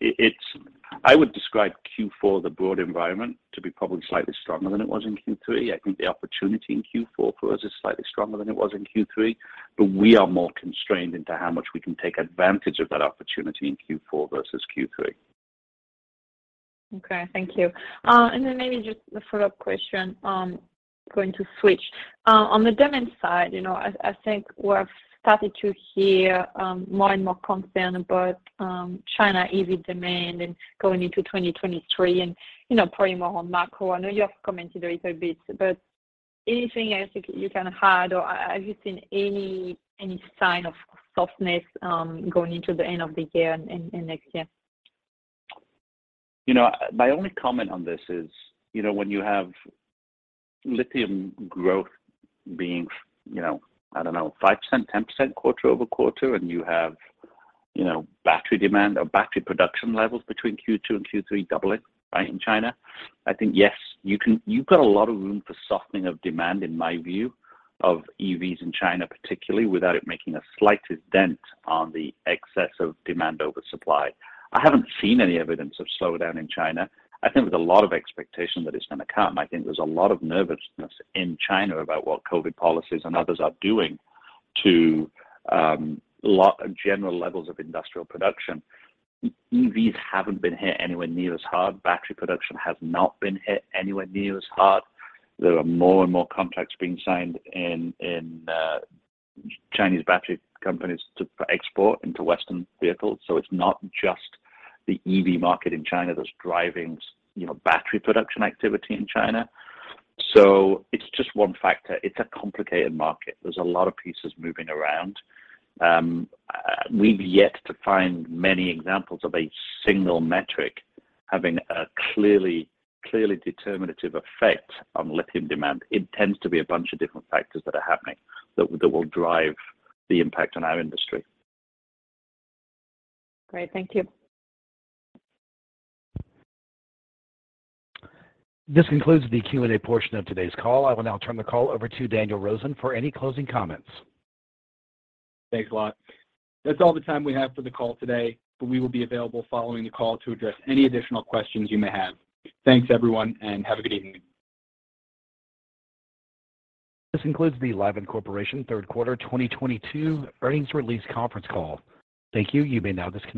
It's. I would describe Q4, the broad environment, to be probably slightly stronger than it was in Q3. I think the opportunity in Q4 for us is slightly stronger than it was in Q3, but we are more constrained into how much we can take advantage of that opportunity in Q4 versus Q3. Okay, thank you. Maybe just a follow-up question, going to switch. On the demand side, you know, I think we're starting to hear more and more concern about China EV demand and going into 2023 and, you know, probably more on macro. I know you have commented a little bit, but anything else you can add, or have you seen any sign of softness going into the end of the year and next year? You know, my only comment on this is, you know, when you have lithium growth being, you know, I don't know, 5%, 10% quarter-over-quarter, and you have, you know, battery demand or battery production levels between Q2 and Q3 doubling, right, in China. I think, yes, you can. You've got a lot of room for softening of demand in my view of EVs in China, particularly without it making the slightest dent on the excess of demand over supply. I haven't seen any evidence of slowdown in China. I think there's a lot of expectation that it's gonna come. I think there's a lot of nervousness in China about what COVID policies and others are doing to a lot of general levels of industrial production. EVs haven't been hit anywhere near as hard. Battery production has not been hit anywhere near as hard. There are more and more contracts being signed in Chinese battery companies to export into Western vehicles, so it's not just the EV market in China that's driving, you know, battery production activity in China. It's just one factor. It's a complicated market. There's a lot of pieces moving around. We've yet to find many examples of a single metric having a clearly determinative effect on lithium demand. It tends to be a bunch of different factors that are happening that will drive the impact on our industry. Great. Thank you. This concludes the Q&A portion of today's call. I will now turn the call over to Daniel Rosen for any closing comments. Thanks a lot. That's all the time we have for the call today, but we will be available following the call to address any additional questions you may have. Thanks, everyone, and have a good evening. This concludes the Livent Corporation third quarter 2022 earnings release conference call. Thank you. You may now disconnect.